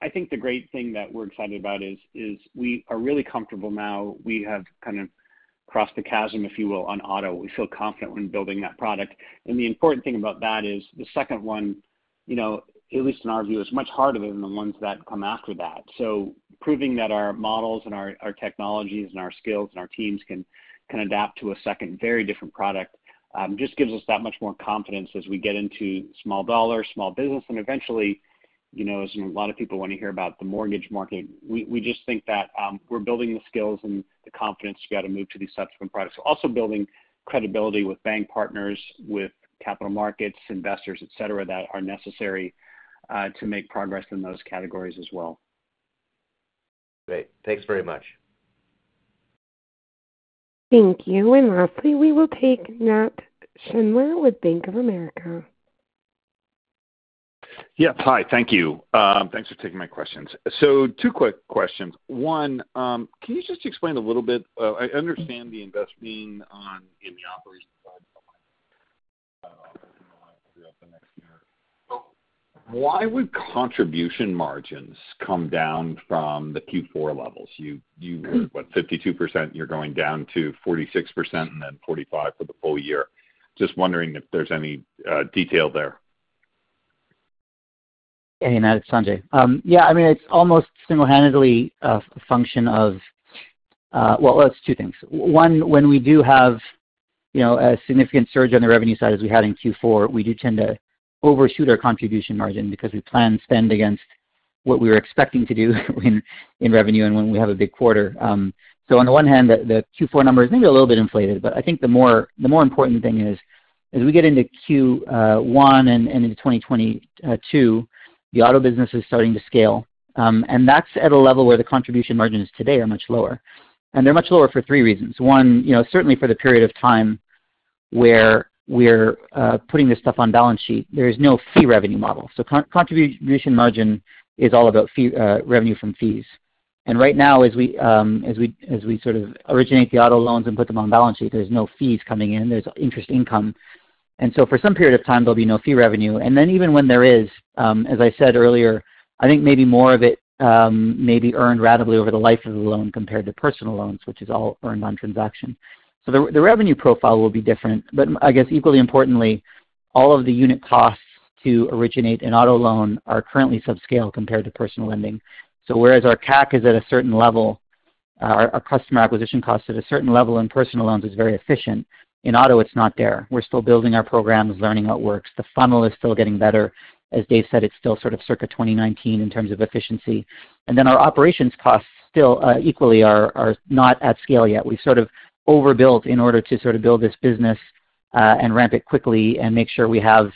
I think the great thing that we're excited about is we are really comfortable now. We have crossed the chasm, if you will, on auto. We feel confident when building that product. The important thing about that is the second one. At least in our view, it's much harder than the ones that come after that. Proving that our models and our technologies and our skills and our teams can adapt to a second very different product just gives us that much more confidence as we get into small dollar, small business and eventually, as a lot of people want to hear about the mortgage market. We just think that we're building the skills and the confidence to be able to move to these subsequent products. Also building credibility with bank partners, with capital markets, investors, etc., that are necessary to make progress in those categories as well. Great. Thanks very much. Thank you. Lastly, we will take Matt Schneider with Bank of America. Hi. Thank you. Thanks for taking my questions. Two quick questions. One, can you just explain a little bit. I understand the investment in the operational side. Why would contribution margins come down from the Q4 levels? You were what, 52%, and you're going down to 46% and then 45% for the full year. Just wondering if there's any detail there. Hey, Matt, it's Sanjay. It's almost single-handedly a function of... Well, it's two things. One, when we do have a significant surge on the revenue side as we had in Q4, we do tend to overshoot our contribution margin because we plan spend against what we were expecting to do in revenue and when we have a big quarter. On the one hand the Q4 number is maybe a little bit inflated, but I think the more important thing is, as we get into Q1 and into 2022, the auto business is starting to scale. That's at a level where the contribution margins today are much lower. They're much lower for three reasons. One, certainly for the period of time where we're putting this stuff on balance sheet, there is no fee revenue model. Contribution margin is all about fee revenue from fees. Right now, as we originate the auto loans and put them on balance sheet, there's no fees coming in. There's interest income. For some period of time, there'll be no fee revenue. Then even when there is, as I said earlier, I think maybe more of it may be earned ratably over the life of the loan compared to personal loans, which is all earned on transaction. The revenue profile will be different. I guess equally importantly, all of the unit costs to originate an auto loan are currently subscale compared to personal lending. Whereas our CAC is at a certain level, our customer acquisition cost at a certain level in personal loans is very efficient. In auto, it's not there. We're still building our programs, learning what works. The funnel is still getting better. As Dave said, it's still circa 2019 in terms of efficiency. And then our operations costs still equally are not at scale yet. We overbuilt in order to build this business and ramp it quickly and make sure we have,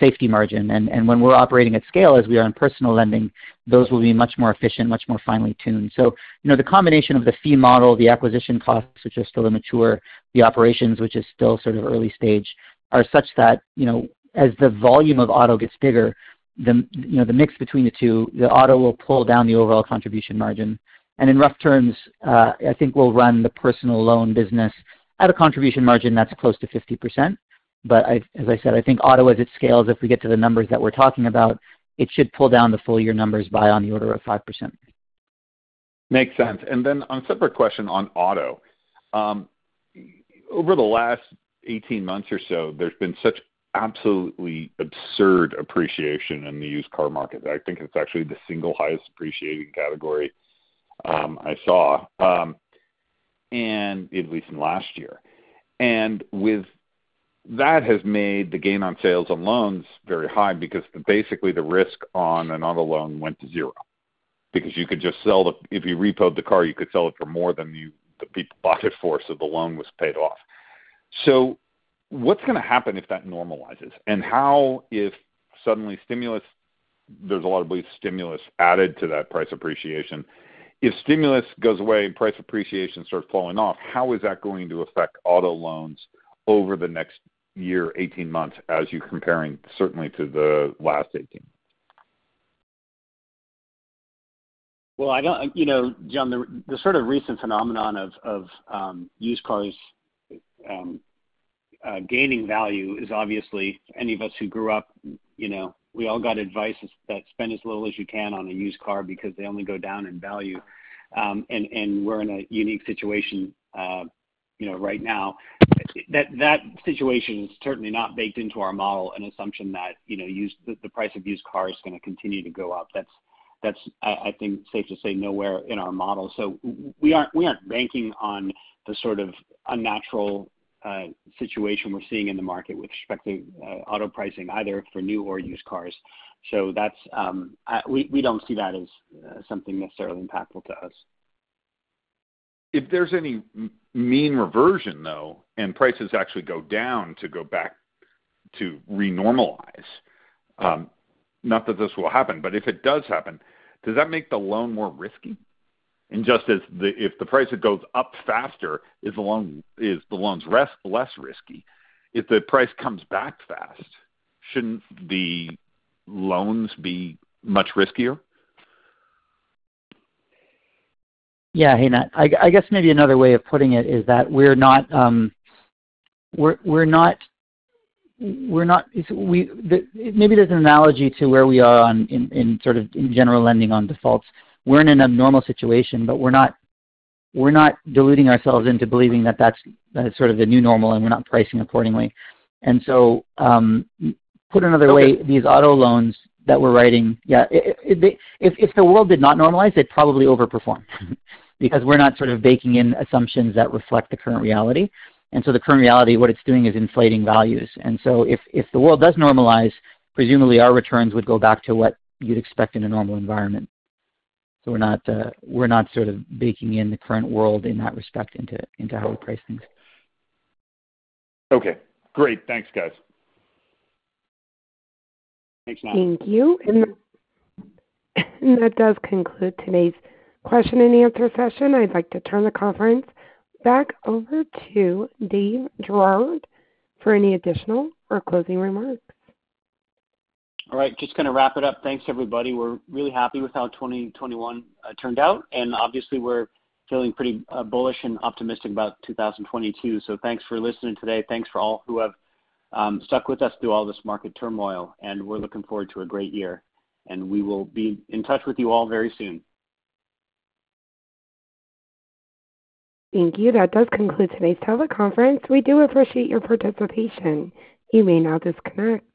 safety margin. When we're operating at scale as we are in personal lending, those will be much more efficient, much more finely tuned. The combination of the fee model, the acquisition costs, which are still immature, the operations, which is still early-stage, are such that, as the volume of auto gets bigger, the mix between the two, the auto will pull down the overall contribution margin. In rough terms, I think we'll run the personal loan business at a contribution margin that's close to 50%. But as I said, I think auto as it scales, if we get to the numbers that we're talking about, it should pull down the full year numbers by on the order of 5%. Makes sense. On a separate question on auto. Over the last 18 months or so, there's been such absolutely absurd appreciation in the used car market. I think it's actually the single highest appreciating category I saw, and at least in the last year. That has made the gain on sales and loans very high because basically the risk on an auto loan went to zero because you could just sell it. If you repo'd the car, you could sell it for more than the people bought it for, so the loan was paid off. What's going to happen if that normalizes? How, if suddenly stimulus, there's a lot of stimulus added to that price appreciation. If stimulus goes away and price appreciation starts falling off, how is that going to affect auto loans over the next year, 18 months as you're comparing certainly to the last 18? John, the recent phenomenon of used cars gaining value is obviously any of us who grew up, we all got advice that spend as little as you can on a used car because they only go down in value, and we're in a unique situation, right now. That situation is certainly not baked into our model and assumption that, used cars is going to continue to go up. That's, I think, safe to say nowhere in our model. We aren't banking on the unnatural situation we're seeing in the market with respect to auto pricing either for new or used cars. We don't see that as something necessarily impactful to us. If there's any mean reversion, though, and prices actually go down to go back to re-normalize, not that this will happen, but if it does happen, does that make the loan more risky? Just as if the price goes up faster, is the loan less risky? If the price comes back fast, shouldn't the loans be much riskier? Hey, Matt. I guess maybe another way of putting it is that we're not... Maybe there's an analogy to where we are in general lending on defaults. We're in an abnormal situation, but we're not deluding ourselves into believing that that's the new normal and we're not pricing accordingly. Put another way. These auto loans that we're writing. If the world did not normalize, they'd probably overperform because we're not baking in assumptions that reflect the current reality. The current reality, what it's doing is inflating values. If the world does normalize, presumably our returns would go back to what you'd expect in a normal environment. We're not baking in the current world in that respect into how we price things. Okay. Great. Thanks, guys. Thanks, Matt. Thank you. That does conclude today's question and answer session. I'd like to turn the conference back over to Dave Girouard for any additional or closing remarks. All right. Just going to wrap it up. Thanks, everybody. We're really happy with how 2021 turned out, and obviously we're feeling pretty bullish and optimistic about 2022. Thanks for listening today. Thanks for all who have stuck with us through all this market turmoil, and we're looking forward to a great year. We will be in touch with you all very soon. Thank you. That does conclude today's teleconference. We do appreciate your participation. You may now disconnect.